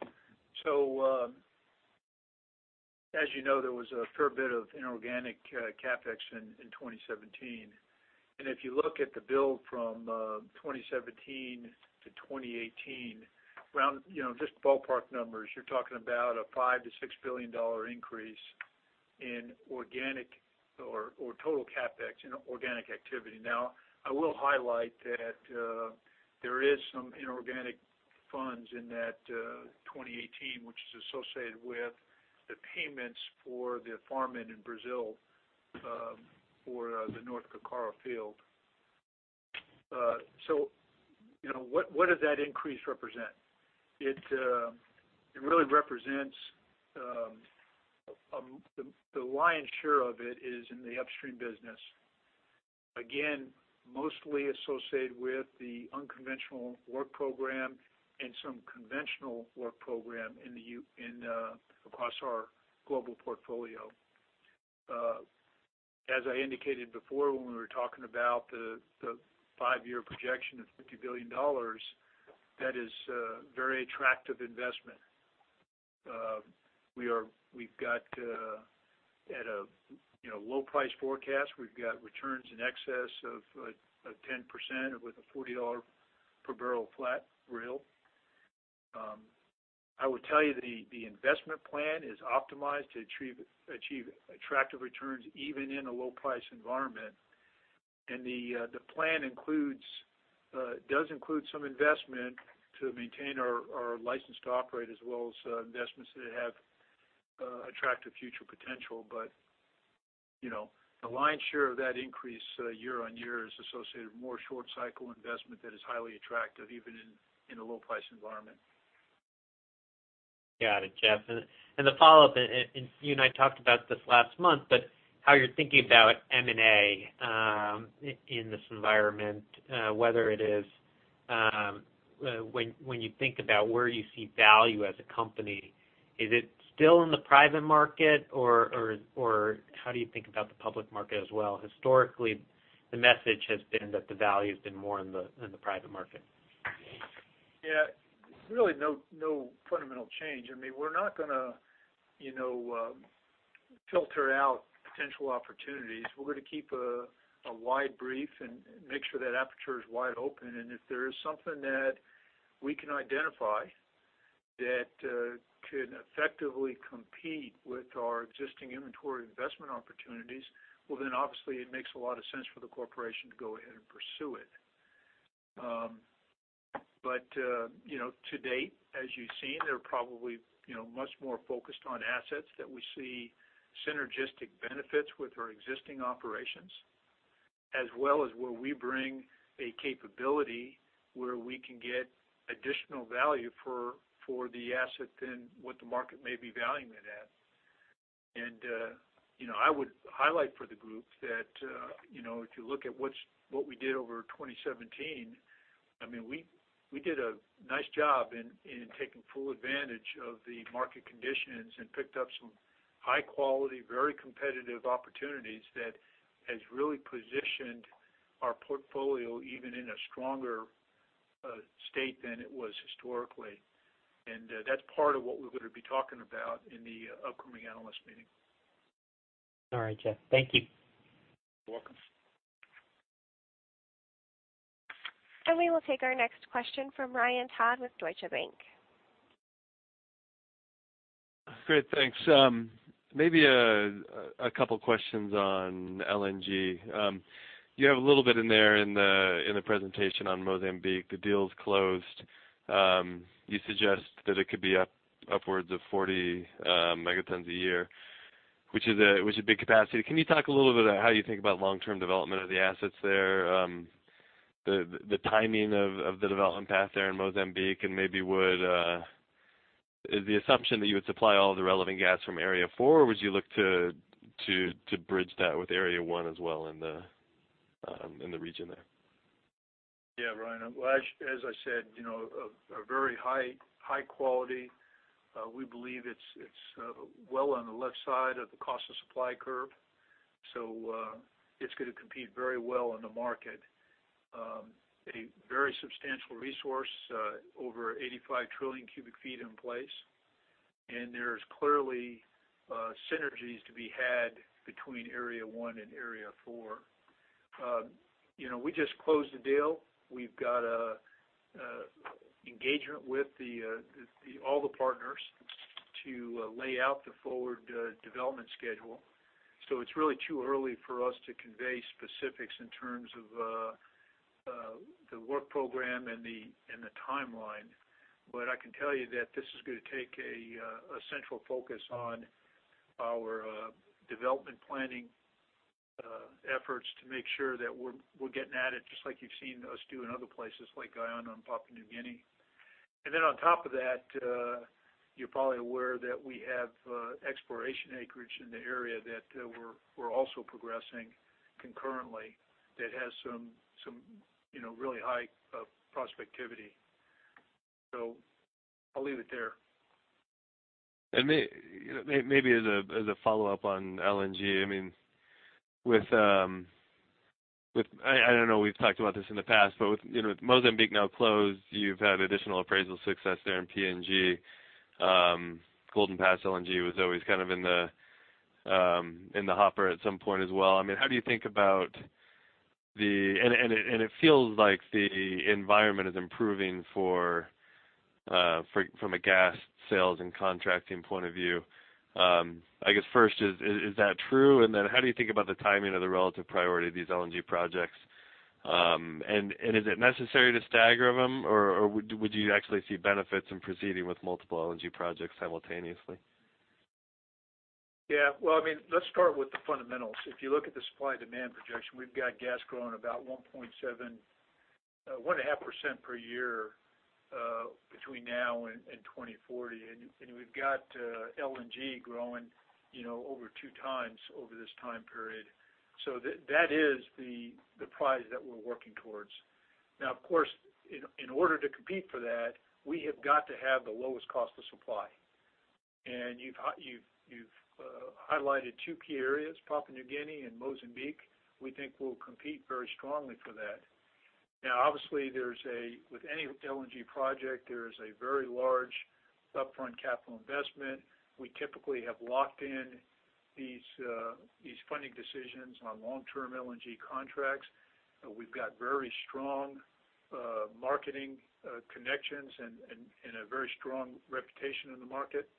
As you know, there was a fair bit of inorganic CapEx in 2017. If you look at the build from 2017 to 2018, just ballpark numbers, you're talking about a $5 billion-$6 billion increase in organic or total CapEx in organic activity. I will highlight that there is some inorganic funds in that 2018, which is associated with the payments for the farm-in in Brazil for the North Carcara field. What does that increase represent? The lion's share of it is in the upstream business. Again, mostly associated with the unconventional work program and some conventional work program across our global portfolio. As I indicated before, when we were talking about the five-year projection of $50 billion, that is very attractive investment. At a low price forecast, we've got returns in excess of 10% with a $40 per barrel flat real. I would tell you the investment plan is optimized to achieve attractive returns even in a low price environment. The plan does include some investment to maintain our license to operate as well as investments that have attractive future potential. The lion's share of that increase year-on-year is associated with more short cycle investment that is highly attractive even in a low price environment. Got it, Jeff. The follow-up, and you and I talked about this last month, but how you're thinking about M&A in this environment whether it is when you think about where you see value as a company, is it still in the private market or how do you think about the public market as well? Historically, the message has been that the value's been more in the private market. Yeah. Really no fundamental change. We're not going to filter out potential opportunities. We're going to keep a wide brief and make sure that aperture is wide open. If there is something that we can identify that can effectively compete with our existing inventory investment opportunities, well, then obviously it makes a lot of sense for the corporation to go ahead and pursue it. To date, as you've seen, they're probably much more focused on assets that we see synergistic benefits with our existing operations, as well as where we bring a capability where we can get additional value for the asset than what the market may be valuing it at. I would highlight for the group that if you look at what we did over 2017, we did a nice job in taking full advantage of the market conditions and picked up some high-quality, very competitive opportunities that has really positioned our portfolio even in a stronger state than it was historically. That's part of what we're going to be talking about in the upcoming analyst meeting. All right, Jeff. Thank you. You're welcome. We will take our next question from Ryan Todd with Deutsche Bank. Great. Thanks. Maybe a couple questions on LNG. You have a little bit in there in the presentation on Mozambique. The deal's closed. You suggest that it could be upwards of 40 megatons a year, which is a big capacity. Can you talk a little bit about how you think about long-term development of the assets there? The timing of the development path there in Mozambique, and maybe is the assumption that you would supply all the relevant gas from Area 4, or would you look to bridge that with Area 1 as well in the region there? Yeah, Ryan. Well, as I said, a very high quality. We believe it's well on the left side of the cost of supply curve. It's going to compete very well in the market. A very substantial resource, over 85 trillion cubic feet in place. There's clearly synergies to be had between Area 1 and Area 4. We just closed the deal. We've got engagement with all the partners to lay out the forward development schedule. It's really too early for us to convey specifics in terms of the work program and the timeline. I can tell you that this is going to take a central focus on our development planning efforts to make sure that we're getting at it just like you've seen us do in other places like Guyana and Papua New Guinea. Then on top of that, you're probably aware that we have exploration acreage in the area that we're also progressing concurrently that has some really high prospectivity. I'll leave it there. Maybe as a follow-up on LNG. I don't know, we've talked about this in the past. With Mozambique now closed, you've had additional appraisal success there in PNG. Golden Pass LNG was always kind of in the hopper at some point as well. How do you think about and it feels like the environment is improving from a gas sales and contracting point of view. I guess first is that true? Then how do you think about the timing of the relative priority of these LNG projects? Is it necessary to stagger them, or would you actually see benefits in proceeding with multiple LNG projects simultaneously? Well, let's start with the fundamentals. If you look at the supply-demand projection, we've got gas growing about 1.5% per year between now and 2040. We've got LNG growing over two times over this time period. That is the prize that we're working towards. Of course, in order to compete for that, we have got to have the lowest cost of supply. You've highlighted two key areas, Papua New Guinea and Mozambique, we think we'll compete very strongly for that. Obviously, with any LNG project, there is a very large upfront capital investment. We typically have locked in these funding decisions on long-term LNG contracts. We've got very strong marketing connections and a very strong reputation in the market.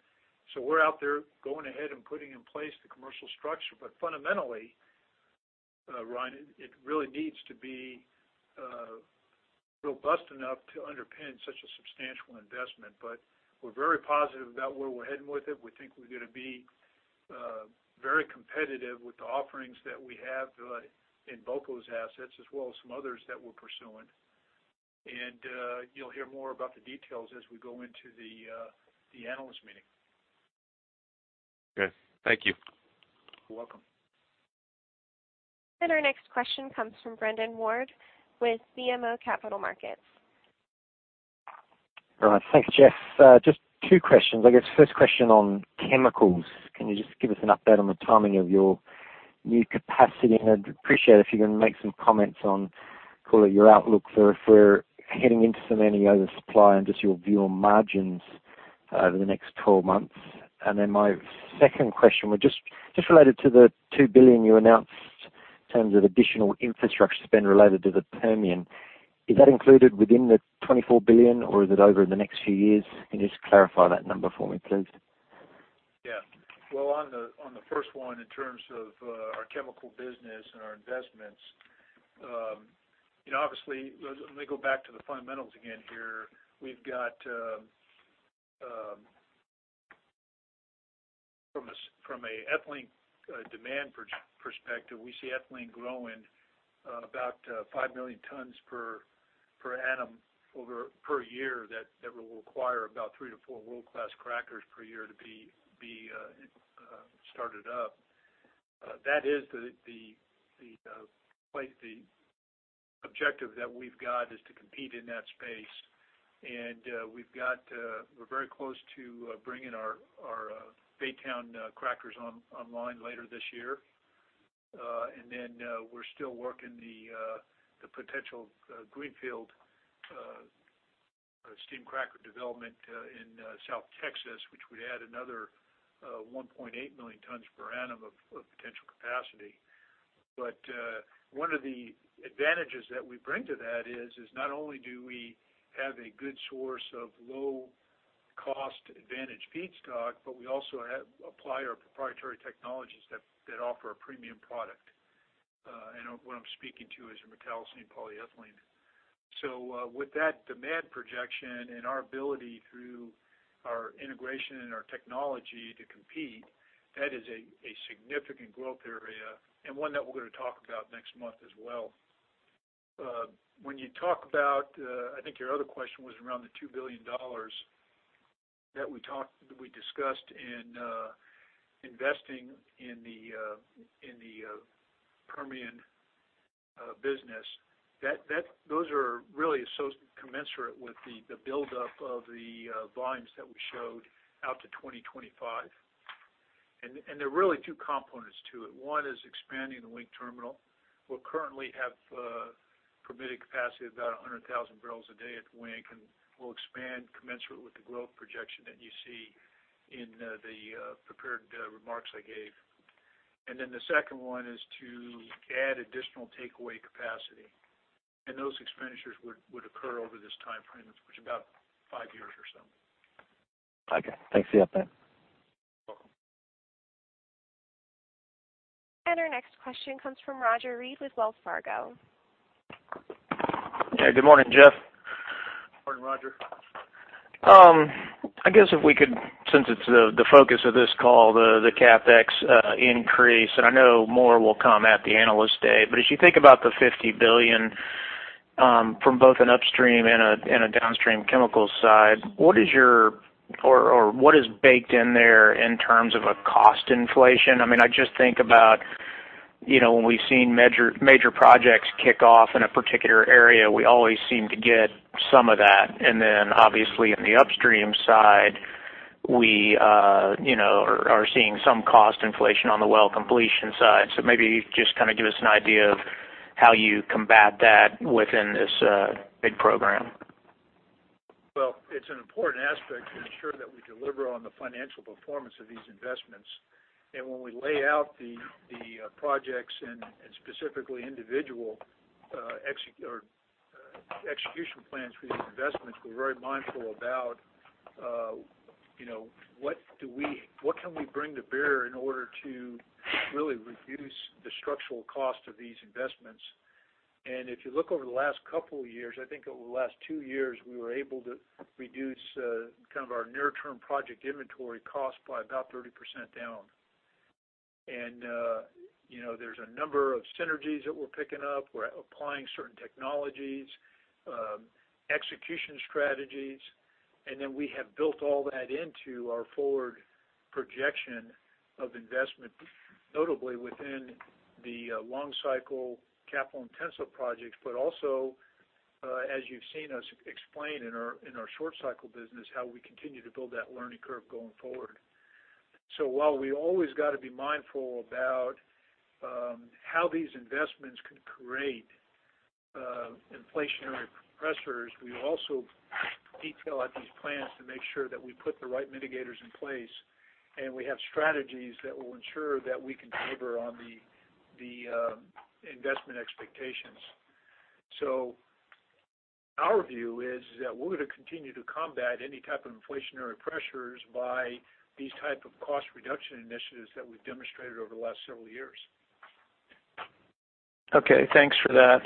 We're out there going ahead and putting in place the commercial structure. Fundamentally, Ryan, it really needs to be robust enough to underpin such a substantial investment. We're very positive about where we're heading with it. We think we're going to be very competitive with the offerings that we have in BOPCO assets as well as some others that we're pursuing. You'll hear more about the details as we go into the analyst meeting. Okay, thank you. You're welcome. Our next question comes from Brendan Warn with BMO Capital Markets. All right. Thanks, Jeff. Just two questions. I guess first question on chemicals. Can you just give us an update on the timing of your new capacity? I'd appreciate if you can make some comments on call it your outlook for heading into some [any of your guys' supply] and just your view on margins over the next 12 months. My second question was just related to the $2 billion you announced in terms of additional infrastructure spend related to the Permian. Is that included within the $24 billion or is it over the next few years? Can you just clarify that number for me, please? Yeah. Well, on the first one in terms of our chemical business and our investments. Obviously, let me go back to the fundamentals again here. From a ethylene demand perspective, we see ethylene growing about 5 million tons per annum per year that will require about three to four world-class crackers per year to be started up. That is the objective that we've got is to compete in that space. We're very close to bringing our Baytown crackers online later this year. We're still working the potential greenfield steam cracker development in South Texas, which would add another 1.8 million tons per annum of potential capacity. One of the advantages that we bring to that is not only do we have a good source of low cost advantage feedstock, but we also apply our proprietary technologies that offer a premium product. What I'm speaking to is your metallocene polyethylene. With that demand projection and our ability through our integration and our technology to compete, that is a significant growth area and one that we're going to talk about next month as well. Your other question was around the $2 billion that we discussed in investing in the Permian business. Those are really commensurate with the buildup of the volumes that we showed out to 2025. There are really two components to it. One is expanding the Wink terminal. We currently have permitted capacity of about 100,000 barrels a day at Wink, and we'll expand commensurate with the growth projection that you see in the prepared remarks I gave. The second one is to add additional takeaway capacity, and those expenditures would occur over this time frame, which is about five years or so. Okay. Thanks for the update. You're welcome. Our next question comes from Roger Read with Wells Fargo. Yeah. Good morning, Jeff. Morning, Roger. I guess if we could, since it's the focus of this call, the CapEx increase, and I know more will come at the Analyst Day, but as you think about the $50 billion from both an upstream and a downstream chemical side, what is baked in there in terms of a cost inflation? I just think about when we've seen major projects kick off in a particular area, we always seem to get some of that. Obviously in the upstream side, we are seeing some cost inflation on the well completion side. Maybe just give us an idea of how you combat that within this big program. Well, it's an important aspect to ensure that we deliver on the financial performance of these investments. When we lay out the projects and specifically individual execution plans for these investments, we're very mindful about what can we bring to bear in order to really reduce the structural cost of these investments. If you look over the last couple of years, I think over the last two years, we were able to reduce our near term project inventory cost by about 30%. There's a number of synergies that we're picking up. We're applying certain technologies, execution strategies, and we have built all that into our forward projection of investment, notably within the long cycle capital intensive projects, but also as you've seen us explain in our short cycle business how we continue to build that learning curve going forward. While we always got to be mindful about how these investments can create inflationary pressures, we also detail out these plans to make sure that we put the right mitigators in place, and we have strategies that will ensure that we can deliver on the investment expectations. Our view is that we're going to continue to combat any type of inflationary pressures by these type of cost reduction initiatives that we've demonstrated over the last several years. Okay, thanks for that.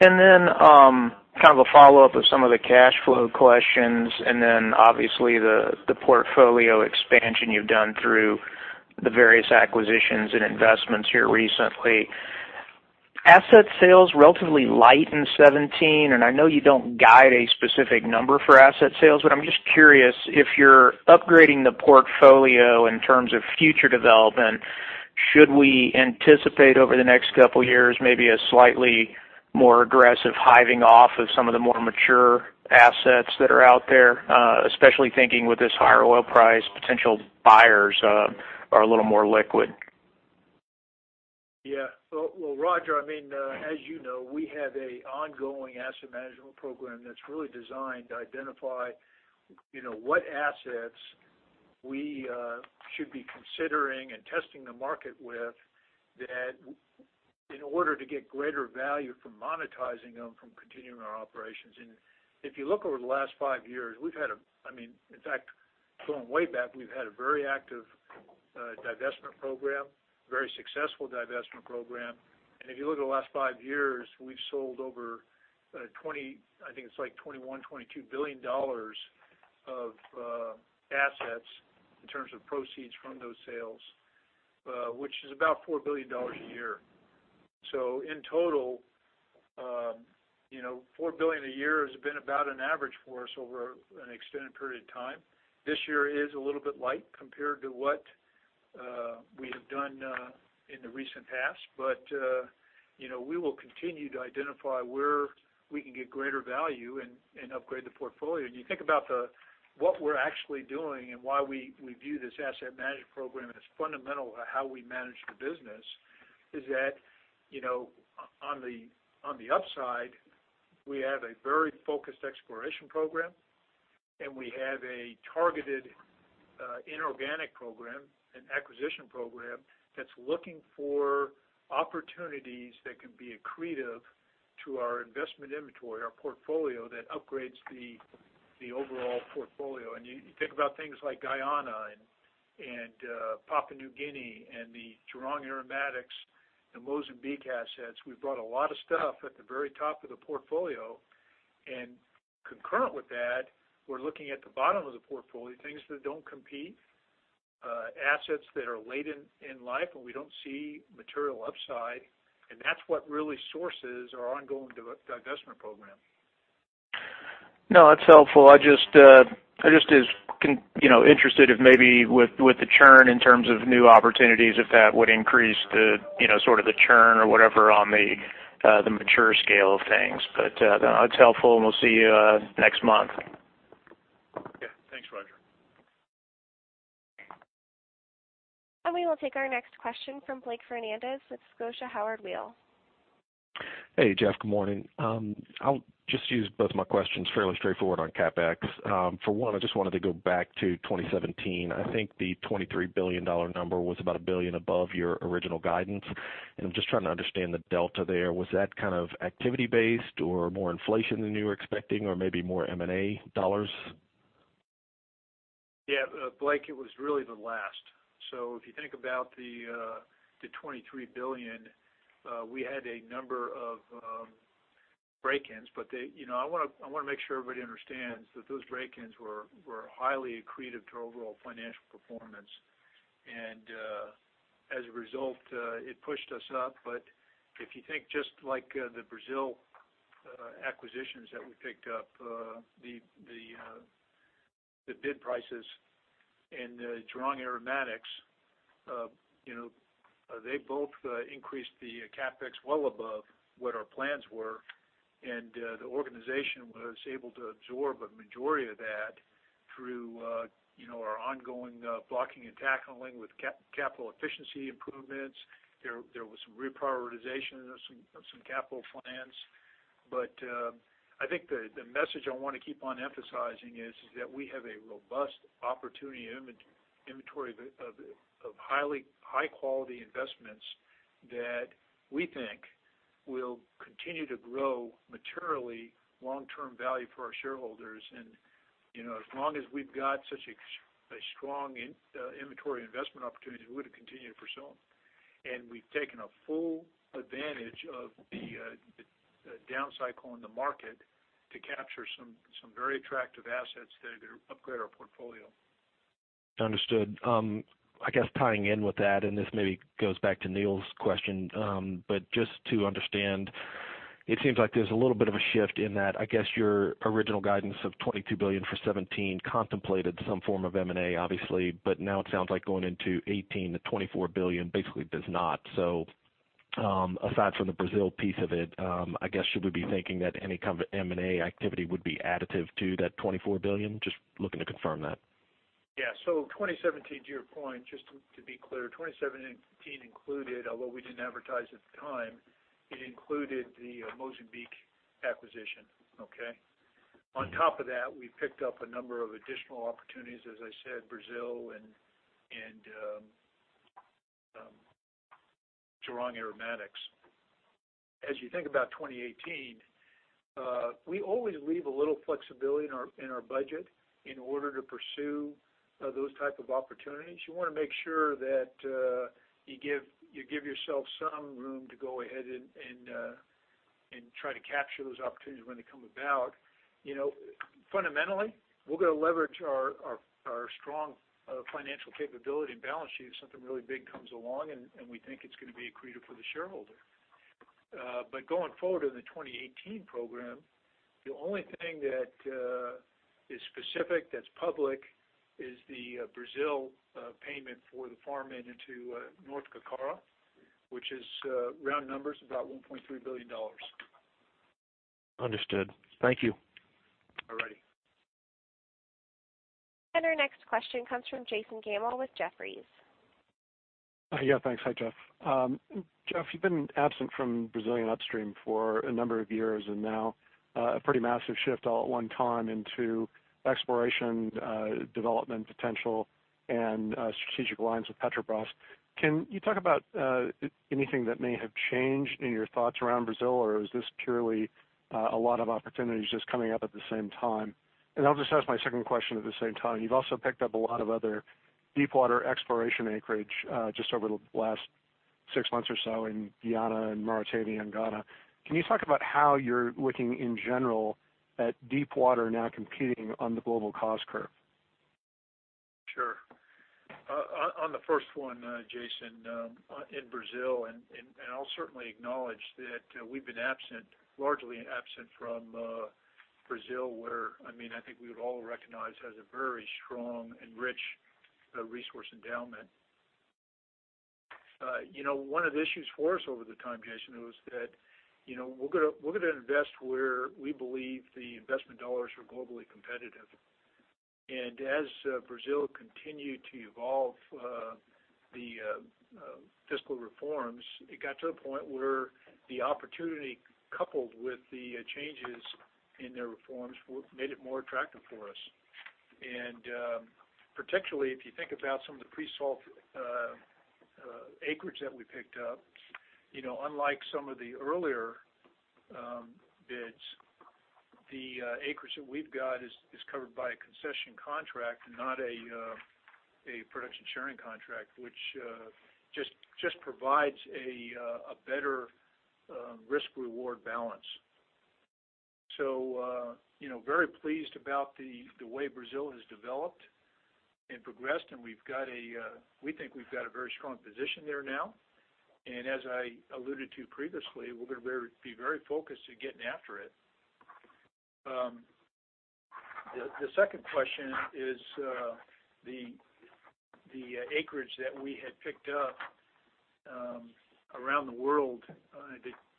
Then kind of a follow-up of some of the cash flow questions and obviously the portfolio expansion you've done through the various acquisitions and investments here recently. Asset sales, relatively light in 2017, and I know you don't guide a specific number for asset sales, but I'm just curious if you're upgrading the portfolio in terms of future development, should we anticipate over the next couple years, maybe a slightly more aggressive hiving off of some of the more mature assets that are out there? Especially thinking with this higher oil price, potential buyers are a little more liquid. Yeah. Well, Roger, as you know, we have an ongoing asset management program that's really designed to identify what assets we should be considering and testing the market with in order to get greater value from monetizing them from continuing our operations. If you look over the last five years, in fact, going way back, we've had a very active divestment program, very successful divestment program. If you look at the last five years, we've sold over 20, I think it's like $21 billion, $22 billion of assets in terms of proceeds from those sales, which is about $4 billion a year. In total, $4 billion a year has been about an average for us over an extended period of time. This year is a little bit light compared to what we have done in the recent past. We will continue to identify where we can get greater value and upgrade the portfolio. You think about what we're actually doing and why we view this asset management program as fundamental to how we manage the business is that, on the upside, we have a very focused exploration program, and we have a targeted inorganic program, an acquisition program, that's looking for opportunities that can be accretive to our investment inventory, our portfolio, that upgrades the overall portfolio. You think about things like Guyana and Papua New Guinea and the Jurong Aromatics and Mozambique assets. We've brought a lot of stuff at the very top of the portfolio, and concurrent with that, we're looking at the bottom of the portfolio, things that don't compete, assets that are late in life where we don't see material upside, and that's what really sources our ongoing divestment program. No, that's helpful. I just is interested if maybe with the churn in terms of new opportunities, if that would increase the churn or whatever on the mature scale of things. No, that's helpful, and we'll see you next month. Yeah. Thanks, Roger. We will take our next question from Blake Fernandez with Scotia Howard Weil. Hey, Jeff, good morning. I'll just use both my questions fairly straightforward on CapEx. For one, I just wanted to go back to 2017. I think the $23 billion number was about a billion above your original guidance, and I'm just trying to understand the delta there. Was that kind of activity-based or more inflation than you were expecting, or maybe more M&A dollars? Yeah. Blake, it was really the last. If you think about the $23 billion, we had a number of break-ins, but I want to make sure everybody understands that those break-ins were highly accretive to our overall financial performance. As a result, it pushed us up. If you think just like the Brazil acquisitions that we picked up, the bid prices in Jurong Aromatics, they both increased the CapEx well above what our plans were. The organization was able to absorb a majority of that through our ongoing blocking and tackling with capital efficiency improvements. There was some reprioritization of some capital plans. I think the message I want to keep on emphasizing is that we have a robust opportunity inventory of high-quality investments that we think will continue to grow materially long-term value for our shareholders. As long as we've got such a strong inventory investment opportunity, we're going to continue to pursue them. We've taken a full advantage of the down cycle in the market to capture some very attractive assets that upgrade our portfolio. Understood. I guess tying in with that, and this maybe goes back to Neil's question, but just to understand, it seems like there's a little bit of a shift in that, I guess your original guidance of $22 billion for 2017 contemplated some form of M&A, obviously, but now it sounds like going into 2018, the $24 billion basically does not. Aside from the Brazil piece of it, I guess, should we be thinking that any kind of M&A activity would be additive to that $24 billion? Just looking to confirm that. Yeah. 2017, to your point, just to be clear, 2017 included, although we didn't advertise at the time, it included the Mozambique acquisition. Okay. On top of that, we picked up a number of additional opportunities, as I said, Brazil and Jurong Aromatics. You think about 2018 We always leave a little flexibility in our budget in order to pursue those type of opportunities. You want to make sure that you give yourself some room to go ahead and try to capture those opportunities when they come about. Fundamentally, we're going to leverage our strong financial capability and balance sheet if something really big comes along, and we think it's going to be accretive for the shareholder. Going forward in the 2018 program, the only thing that is specific, that's public, is the Brazil payment for the farm into North Carcara, which is round numbers, about $1.3 billion. Understood. Thank you. All righty. Our next question comes from Jason Gammel with Jefferies. Yeah, thanks. Hi, Jeff. Jeff, you've been absent from Brazilian upstream for a number of years, and now a pretty massive shift all at one time into exploration, development potential, and strategic alliance with Petrobras. Can you talk about anything that may have changed in your thoughts around Brazil? Or is this purely a lot of opportunities just coming up at the same time? I'll just ask my second question at the same time. You've also picked up a lot of other deep water exploration acreage just over the last six months or so in Guyana and Mauritania and Ghana. Can you talk about how you're looking in general at deep water now competing on the global cost curve? Sure. On the first one, Jason, in Brazil, I'll certainly acknowledge that we've been largely absent from Brazil, where I think we would all recognize has a very strong and rich resource endowment. One of the issues for us over the time, Jason, was that we're going to invest where we believe the investment dollars are globally competitive. As Brazil continued to evolve the fiscal reforms, it got to a point where the opportunity, coupled with the changes in their reforms, made it more attractive for us. Particularly if you think about some of the pre-salt acreage that we picked up. Unlike some of the earlier bids, the acreage that we've got is covered by a concession contract and not a production sharing contract, which just provides a better risk-reward balance. Very pleased about the way Brazil has developed and progressed, and we think we've got a very strong position there now. As I alluded to previously, we're going to be very focused to getting after it. The second question is the acreage that we had picked up around the world.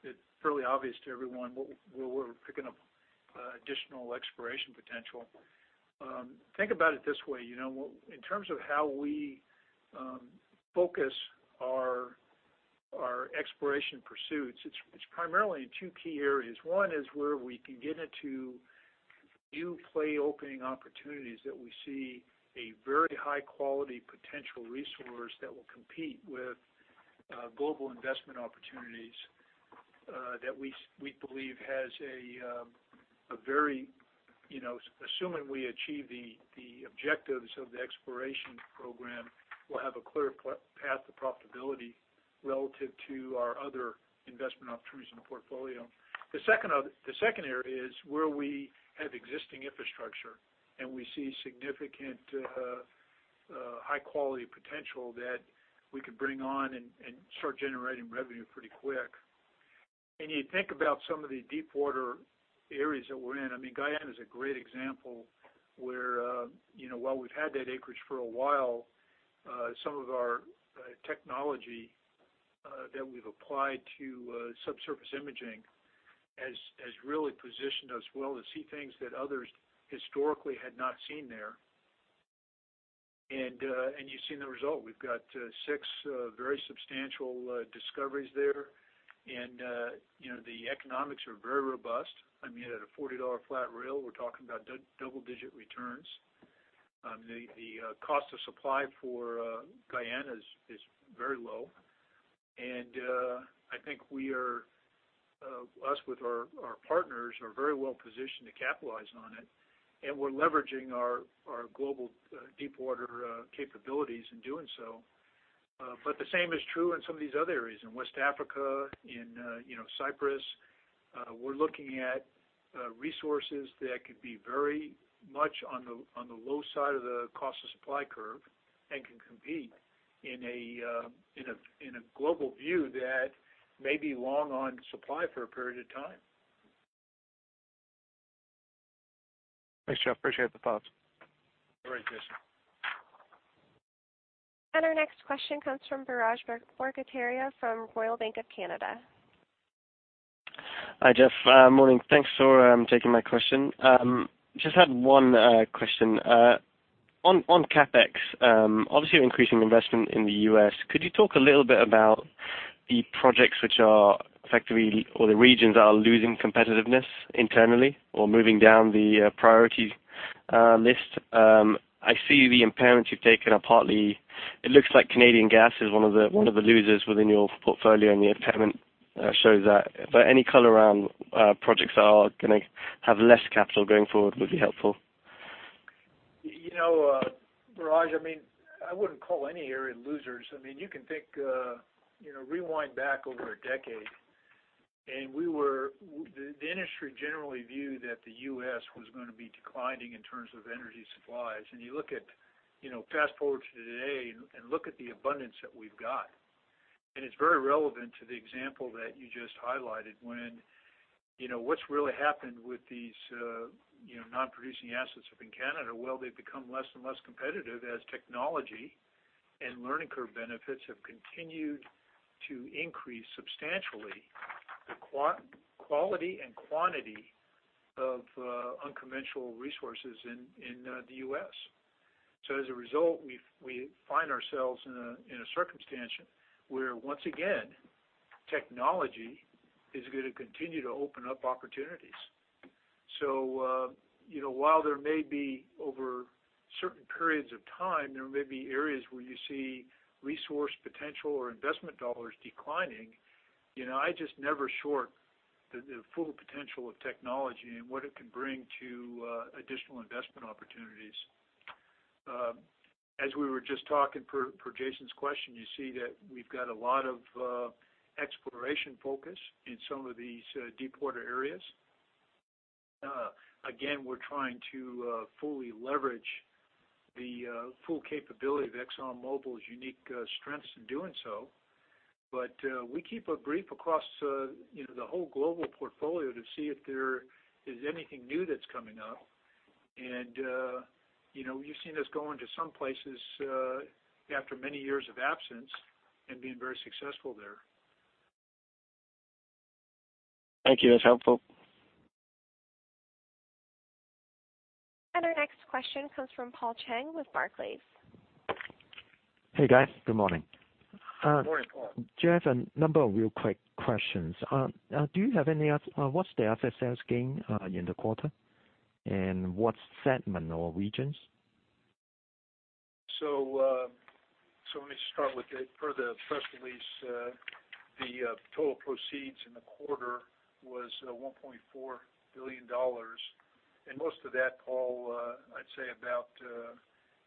It's fairly obvious to everyone where we're picking up additional exploration potential. Think about it this way. In terms of how we focus our exploration pursuits, it's primarily in two key areas. One is where we can get into new play opening opportunities that we see a very high-quality potential resource that will compete with global investment opportunities that we believe, assuming we achieve the objectives of the exploration program, we'll have a clear path to profitability relative to our other investment opportunities in the portfolio. The second area is where we have existing infrastructure, and we see significant high-quality potential that we could bring on and start generating revenue pretty quick. You think about some of the deepwater areas that we're in. Guyana is a great example where while we've had that acreage for a while, some of our technology that we've applied to subsurface imaging has really positioned us well to see things that others historically had not seen there. You've seen the result. We've got six very substantial discoveries there, and the economics are very robust. At a $40 flat rail, we're talking about double-digit returns. The cost of supply for Guyana is very low, and I think us, with our partners, are very well positioned to capitalize on it. We're leveraging our global deepwater capabilities in doing so. The same is true in some of these other areas. In West Africa, in Cyprus, we're looking at resources that could be very much on the low side of the cost of supply curve and can compete in a global view that may be long on supply for a period of time. Thanks, Jeff. Appreciate the thoughts. All right, Jason. Our next question comes from Biraj Borkhataria from Royal Bank of Canada. Hi, Jeff. Morning. Thanks for taking my question. Just had one question. On CapEx, obviously you're increasing investment in the U.S., could you talk a little bit about the projects which are effectively, or the regions that are losing competitiveness internally or moving down the priority? This, I see the impairments you've taken are partly, it looks like Canadian gas is one of the losers within your portfolio, and the impairment shows that. Any color around projects that are going to have less capital going forward would be helpful. Biraj, I wouldn't call any area losers. You can think, rewind back over a decade, and the industry generally viewed that the U.S. was going to be declining in terms of energy supplies. You look at, fast-forward to today and look at the abundance that we've got, and it's very relevant to the example that you just highlighted when, what's really happened with these non-producing assets up in Canada? Well, they've become less and less competitive as technology and learning curve benefits have continued to increase substantially the quality and quantity of unconventional resources in the U.S. As a result, we find ourselves in a circumstance where, once again, technology is going to continue to open up opportunities. While there may be over certain periods of time, there may be areas where you see resource potential or investment dollars declining. I just never short the full potential of technology and what it can bring to additional investment opportunities. As we were just talking for Jason's question, you see that we've got a lot of exploration focus in some of these deep water areas. Again, we're trying to fully leverage the full capability of ExxonMobil's unique strengths in doing so. We keep a brief across the whole global portfolio to see if there is anything new that's coming up. You've seen us go into some places after many years of absence and being very successful there. Thank you. That's helpful. Our next question comes from Paul Cheng with Barclays. Hey, guys. Good morning. Good morning, Paul. I have a number of real quick questions. What's the [FSS gain] in the quarter? What segment or regions? Let me start with the, per the press release, the total proceeds in the quarter was $1.4 billion. Most of that, Paul, I'd say about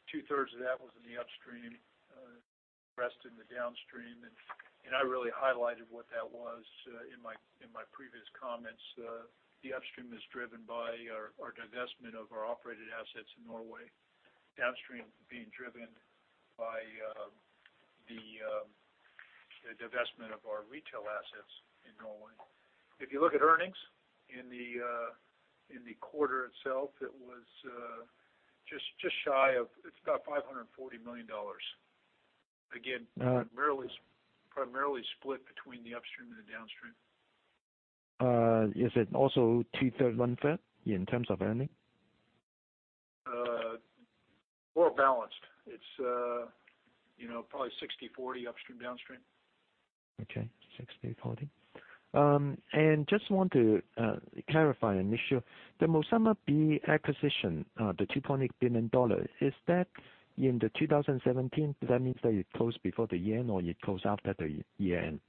two-thirds of that was in the upstream, rest in the downstream. I really highlighted what that was in my previous comments. The upstream is driven by our divestment of our operated assets in Norway. Downstream being driven by the divestment of our retail assets in Norway. If you look at earnings in the quarter itself, it was just shy of, it's about $540 million. Primarily split between the upstream and the downstream. Is it also two-thirds, one-third in terms of earning? More balanced. It's probably 60/40 upstream, downstream. Okay. 60/40. Just want to clarify an issue. The Mozambique acquisition, the $2.8 billion, is that in the 2017? Does that mean that it closed before the year-end or it closed after the year-end?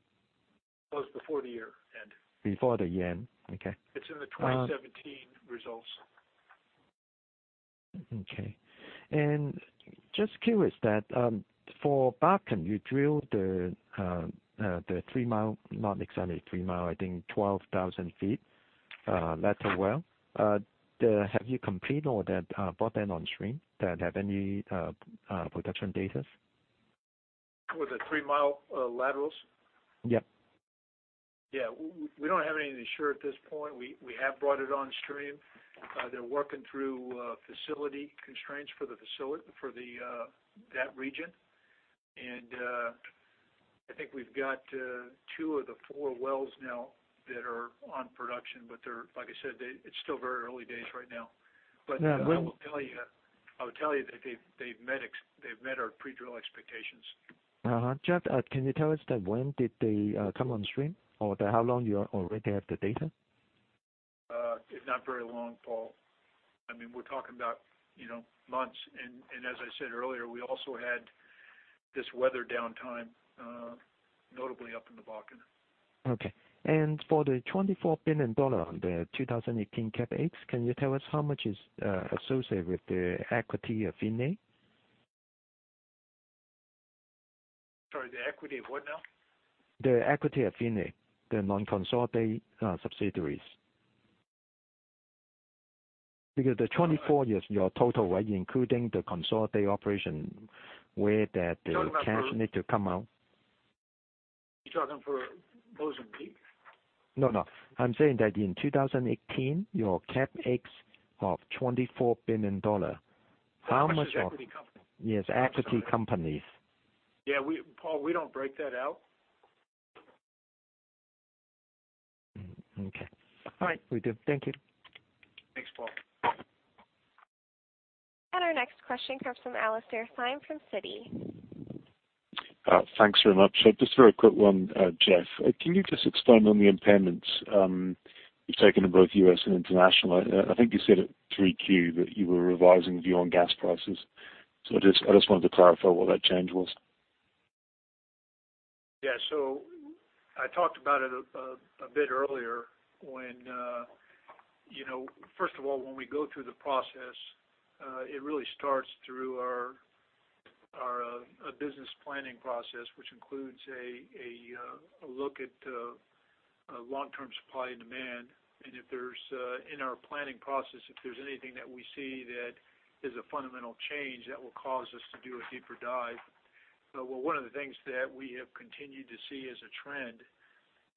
Closed before the year-end. Before the year-end. Okay. It's in the 2017 results. Okay. Just curious that for Bakken, you drilled the three mile, not exactly three mile, I think 12,000 feet lateral well. Have you completed all that brought that on stream that have any production datas? With the three-mile laterals? Yep. Yeah. We don't have anything sure at this point. We have brought it on stream. They're working through facility constraints for that region. I think we've got two of the four wells now that are on production, but they're, like I said, it's still very early days right now. Yeah. I will tell you that they've met our pre-drill expectations. Jeff, can you tell us that when did they come on stream or how long you already have the data? Not very long, Paul. We're talking about months. As I said earlier, we also had this weather downtime notably up in the Bakken. Okay. For the $24 billion, the 2018 CapEx, can you tell us how much is associated with the equity affiliate? Sorry, the equity of what now? The equity affiliate, the non-consolidated subsidiaries. Because the $24 billion is your total, right? Including the consolidated operation where that You're talking about for The cash need to come out. You're talking for Mozambique? No. I'm saying that in 2018, your CapEx of $24 billion, how much of- Which equity company? Yes, equity companies. Yeah, Paul, we don't break that out. Okay. All right. Will do. Thank you. Thanks, Paul. Our next question comes from Alastair Syme from Citi. Thanks very much. Just a very quick one, Jeff. Can you just expand on the impairments you've taken in both U.S. and international? I think you said at 3Q that you were revising view on gas prices. I just wanted to clarify what that change was. Yeah. I talked about it a bit earlier. First of all, when we go through the process, it really starts through our business planning process, which includes a look at long-term supply and demand. In our planning process, if there's anything that we see that is a fundamental change, that will cause us to do a deeper dive. One of the things that we have continued to see as a trend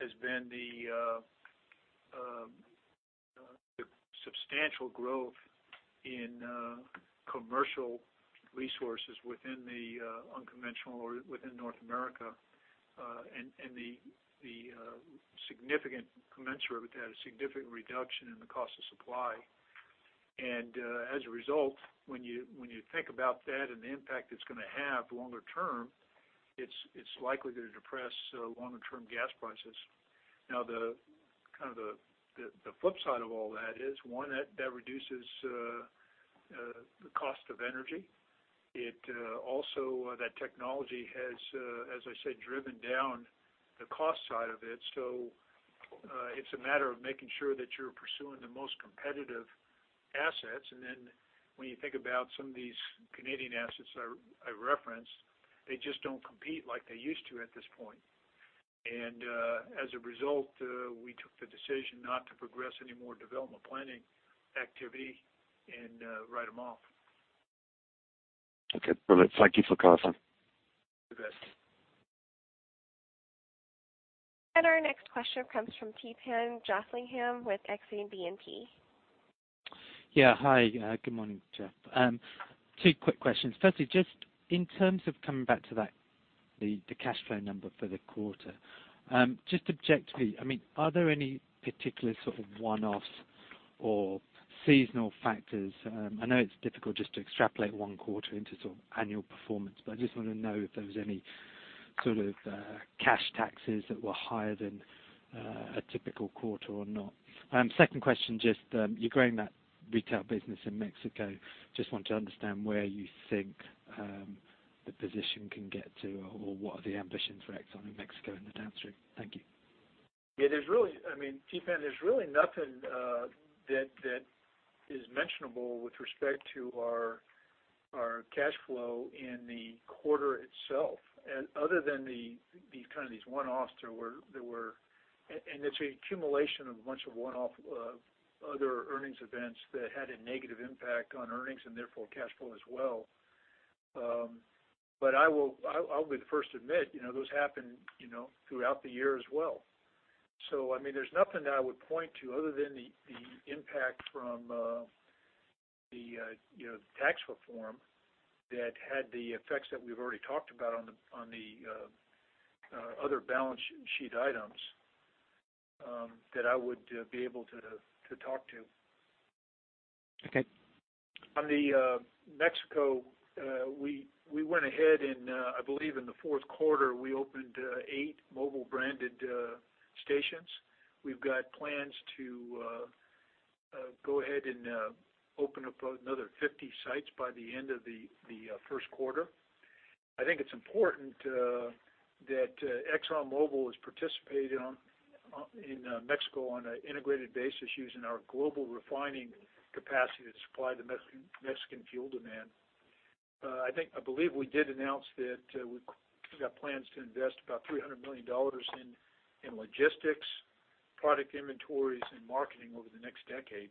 has been the substantial growth in commercial resources within the unconventional or within North America, and commensurate with that, a significant reduction in the cost of supply. As a result, when you think about that and the impact it's going to have longer term, it's likely to depress longer-term gas prices. The flip side of all that is, one, that reduces the cost of energy. That technology has, as I said, driven down the cost side of it. It's a matter of making sure that you're pursuing the most competitive assets. When you think about some of these Canadian assets I referenced, they just don't compete like they used to at this point. As a result, we took the decision not to progress any more development planning activity and write them off. Okay, brilliant. Thank you for clarifying. You bet. Our next question comes from Theepan Jothilingam with Exane BNP. Yeah. Hi, good morning, Jeff. Two quick questions. Firstly, just in terms of coming back to the cash flow number for the quarter, just objectively, are there any particular sort of one-offs or seasonal factors? I know it's difficult just to extrapolate one quarter into sort of annual performance, but I just want to know if there was any sort of cash taxes that were higher than a typical quarter or not. Second question, just you're growing that retail business in Mexico. Just want to understand where you think the position can get to, or what are the ambitions for ExxonMobil in Mexico in the downstream. Thank you. Yeah. Theepan, there's really nothing that is mentionable with respect to our cash flow in the quarter itself other than these one-offs and it's an accumulation of a bunch of one-off other earnings events that had a negative impact on earnings and therefore cash flow as well. I'll be the first to admit those happen throughout the year as well. There's nothing that I would point to other than the impact from the tax reform that had the effects that we've already talked about on the other balance sheet items that I would be able to talk to. Okay. On the Mexico, we went ahead in, I believe, in the fourth quarter, we opened eight Mobil-branded stations. We've got plans to go ahead and open up another 50 sites by the end of the first quarter. I think it's important that ExxonMobil is participating in Mexico on an integrated basis using our global refining capacity to supply the Mexican fuel demand. I believe we did announce that we've got plans to invest about $300 million in logistics, product inventories, and marketing over the next decade.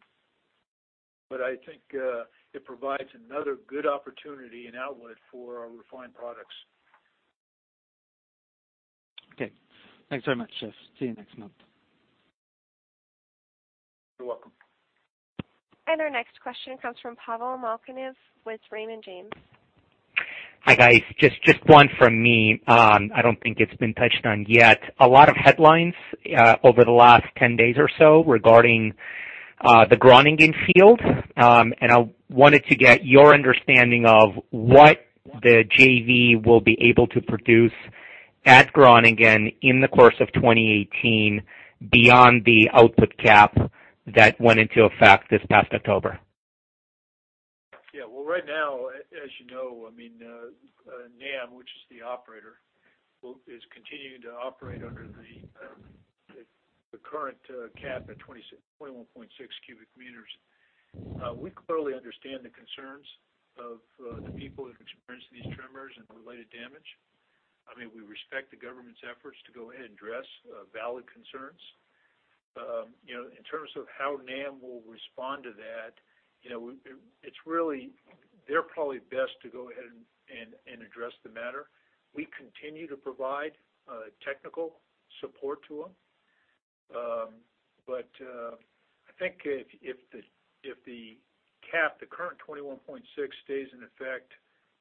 I think it provides another good opportunity and outlet for our refined products. Okay. Thanks very much, Jeff. See you next month. You're welcome. Our next question comes from Pavel Molchanov with Raymond James. Hi, guys. Just one from me. I don't think it's been touched on yet. A lot of headlines over the last 10 days or so regarding the Groningen field. I wanted to get your understanding of what the JV will be able to produce at Groningen in the course of 2018 beyond the output cap that went into effect this past October. Yeah. Well, right now, as you know, NAM, which is the operator, is continuing to operate under the current cap at 21.6 cubic meters. We clearly understand the concerns of the people who've experienced these tremors and related damage. We respect the government's efforts to go ahead and address valid concerns. In terms of how NAM will respond to that, they're probably best to go ahead and address the matter. We continue to provide technical support to them. I think if the cap, the current 21.6 stays in effect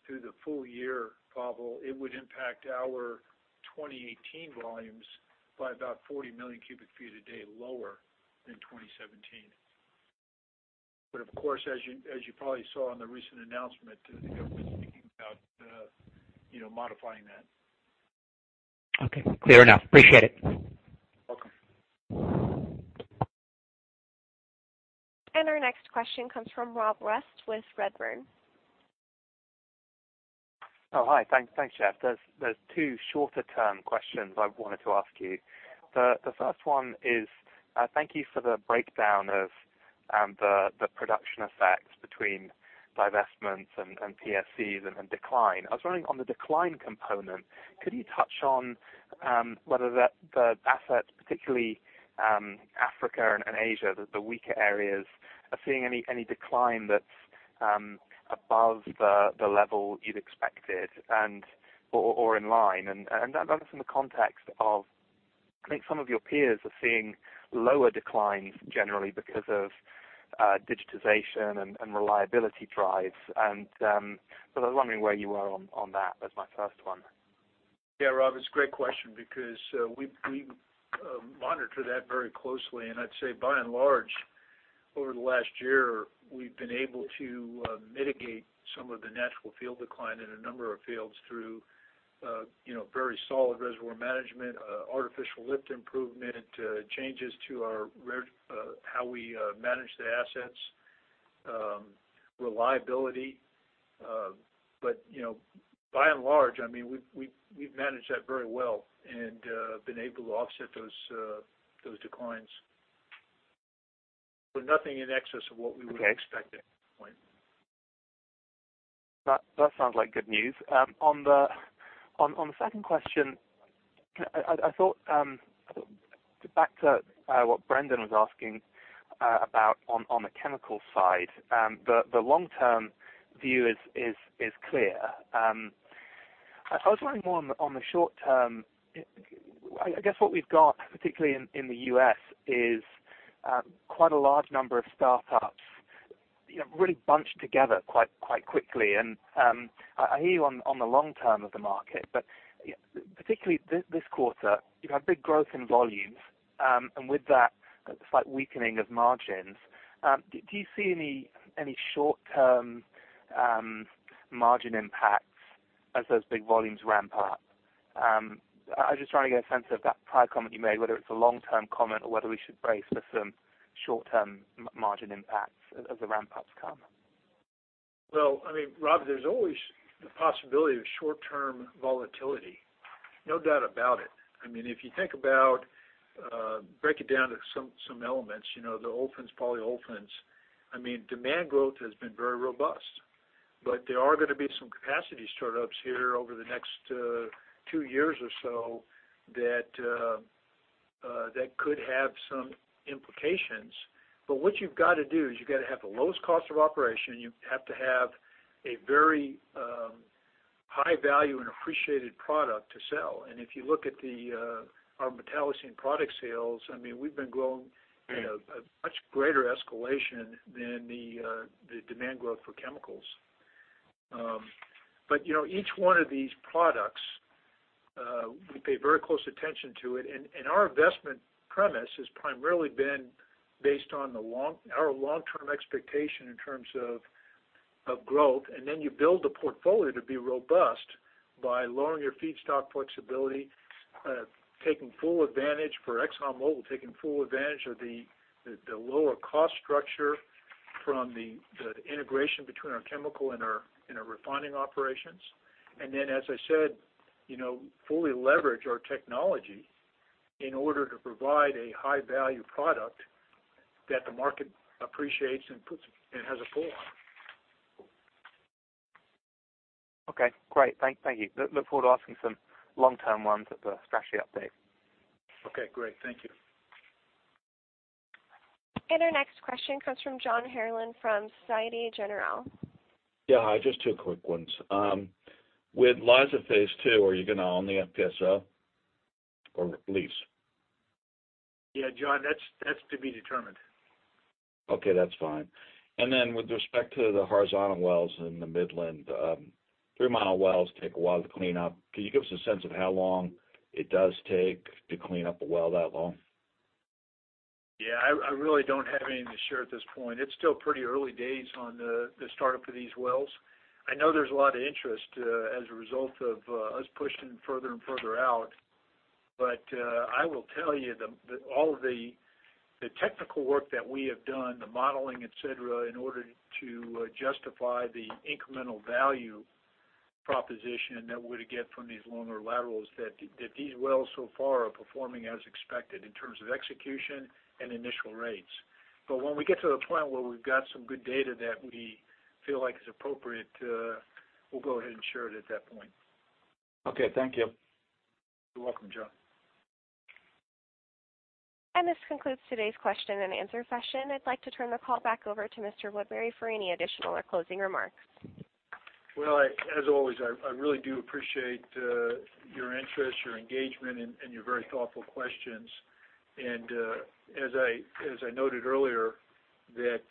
through the full year, Pavel, it would impact our 2018 volumes by about 40 million cubic feet a day lower than 2017. Of course, as you probably saw in the recent announcement, the government's thinking about modifying that. Okay, clear enough. Appreciate it. Welcome. Our next question comes from Rob West with Redburn. Hi. Thanks, Jeff. There's two shorter-term questions I wanted to ask you. The first one is, thank you for the breakdown of the production effects between divestments and PSCs and decline. I was wondering on the decline component, could you touch on whether the assets, particularly Africa and Asia, the weaker areas, are seeing any decline that's above the level you'd expected or in line? That is in the context of, I think some of your peers are seeing lower declines generally because of digitization and reliability drives. So I was wondering where you are on that. That's my first one. Rob, it's a great question because we monitor that very closely. I'd say by and large, over the last year, we've been able to mitigate some of the natural field decline in a number of fields through very solid reservoir management, artificial lift improvement, changes to how we manage the assets, reliability. By and large, we've managed that very well and been able to offset those declines. Nothing in excess of what we would expect at this point. That sounds like good news. On the second question, I thought back to what Brendan was asking about on the chemical side. The long-term view is clear. I was wondering more on the short term. I guess what we've got, particularly in the U.S., is quite a large number of startups really bunched together quite quickly. I hear you on the long term of the market, but particularly this quarter, you've had big growth in volumes. With that, a slight weakening of margins. Do you see any short-term margin impacts as those big volumes ramp up? I was just trying to get a sense of that prior comment you made, whether it's a long-term comment or whether we should brace for some short-term margin impacts as the ramp-ups come. Well, Rob, there's always the possibility of short-term volatility, no doubt about it. If you think about breaking it down to some elements, the olefins, polyolefins, demand growth has been very robust. There are going to be some capacity startups here over the next 2 years or so that could have some implications. What you've got to do is you've got to have the lowest cost of operation. You have to have a very high value and appreciated product to sell. If you look at our metallocene product sales, we've been growing at a much greater escalation than the demand growth for chemicals. Each one of these products, we pay very close attention to it. Our investment premise has primarily been based on our long-term expectation in terms of growth. You build the portfolio to be robust by lowering your feedstock flexibility, taking full advantage for Exxon Mobil, taking full advantage of the lower cost structure from the integration between our chemical and our refining operations. As I said, fully leverage our technology in order to provide a high-value product that the market appreciates and has a pull on. Okay, great. Thank you. Look forward to asking some long-term ones at the strategy update. Okay, great. Thank you. Our next question comes from John Herrlin from Societe Generale. Hi, just two quick ones. With Liza Phase 2, are you going to own the FPSO or lease? John, that's to be determined. Okay, that's fine. Then with respect to the horizontal wells in the Midland, three-mile wells take a while to clean up. Can you give us a sense of how long it does take to clean up a well that long? Yeah, I really don't have anything to share at this point. It's still pretty early days on the startup of these wells. I know there's a lot of interest as a result of us pushing further and further out. I will tell you that all of the technical work that we have done, the modeling, et cetera, in order to justify the incremental value proposition that we're going to get from these longer laterals, that these wells so far are performing as expected in terms of execution and initial rates. When we get to the point where we've got some good data that we feel like is appropriate, we'll go ahead and share it at that point. Okay, thank you. You're welcome, John. This concludes today's question and answer session. I'd like to turn the call back over to Mr. Woodbury for any additional or closing remarks. Well, as always, I really do appreciate your interest, your engagement, and your very thoughtful questions. As I noted earlier that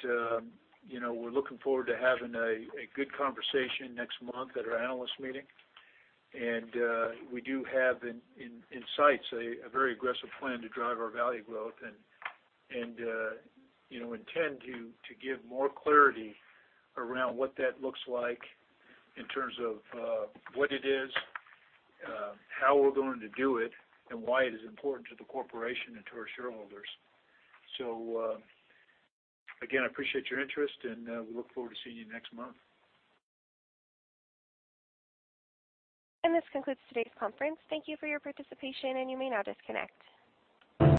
we're looking forward to having a good conversation next month at our analyst meeting. We do have in sights a very aggressive plan to drive our value growth and intend to give more clarity around what that looks like in terms of what it is, how we're going to do it, and why it is important to the corporation and to our shareholders. Again, I appreciate your interest, and we look forward to seeing you next month. This concludes today's conference. Thank you for your participation, and you may now disconnect.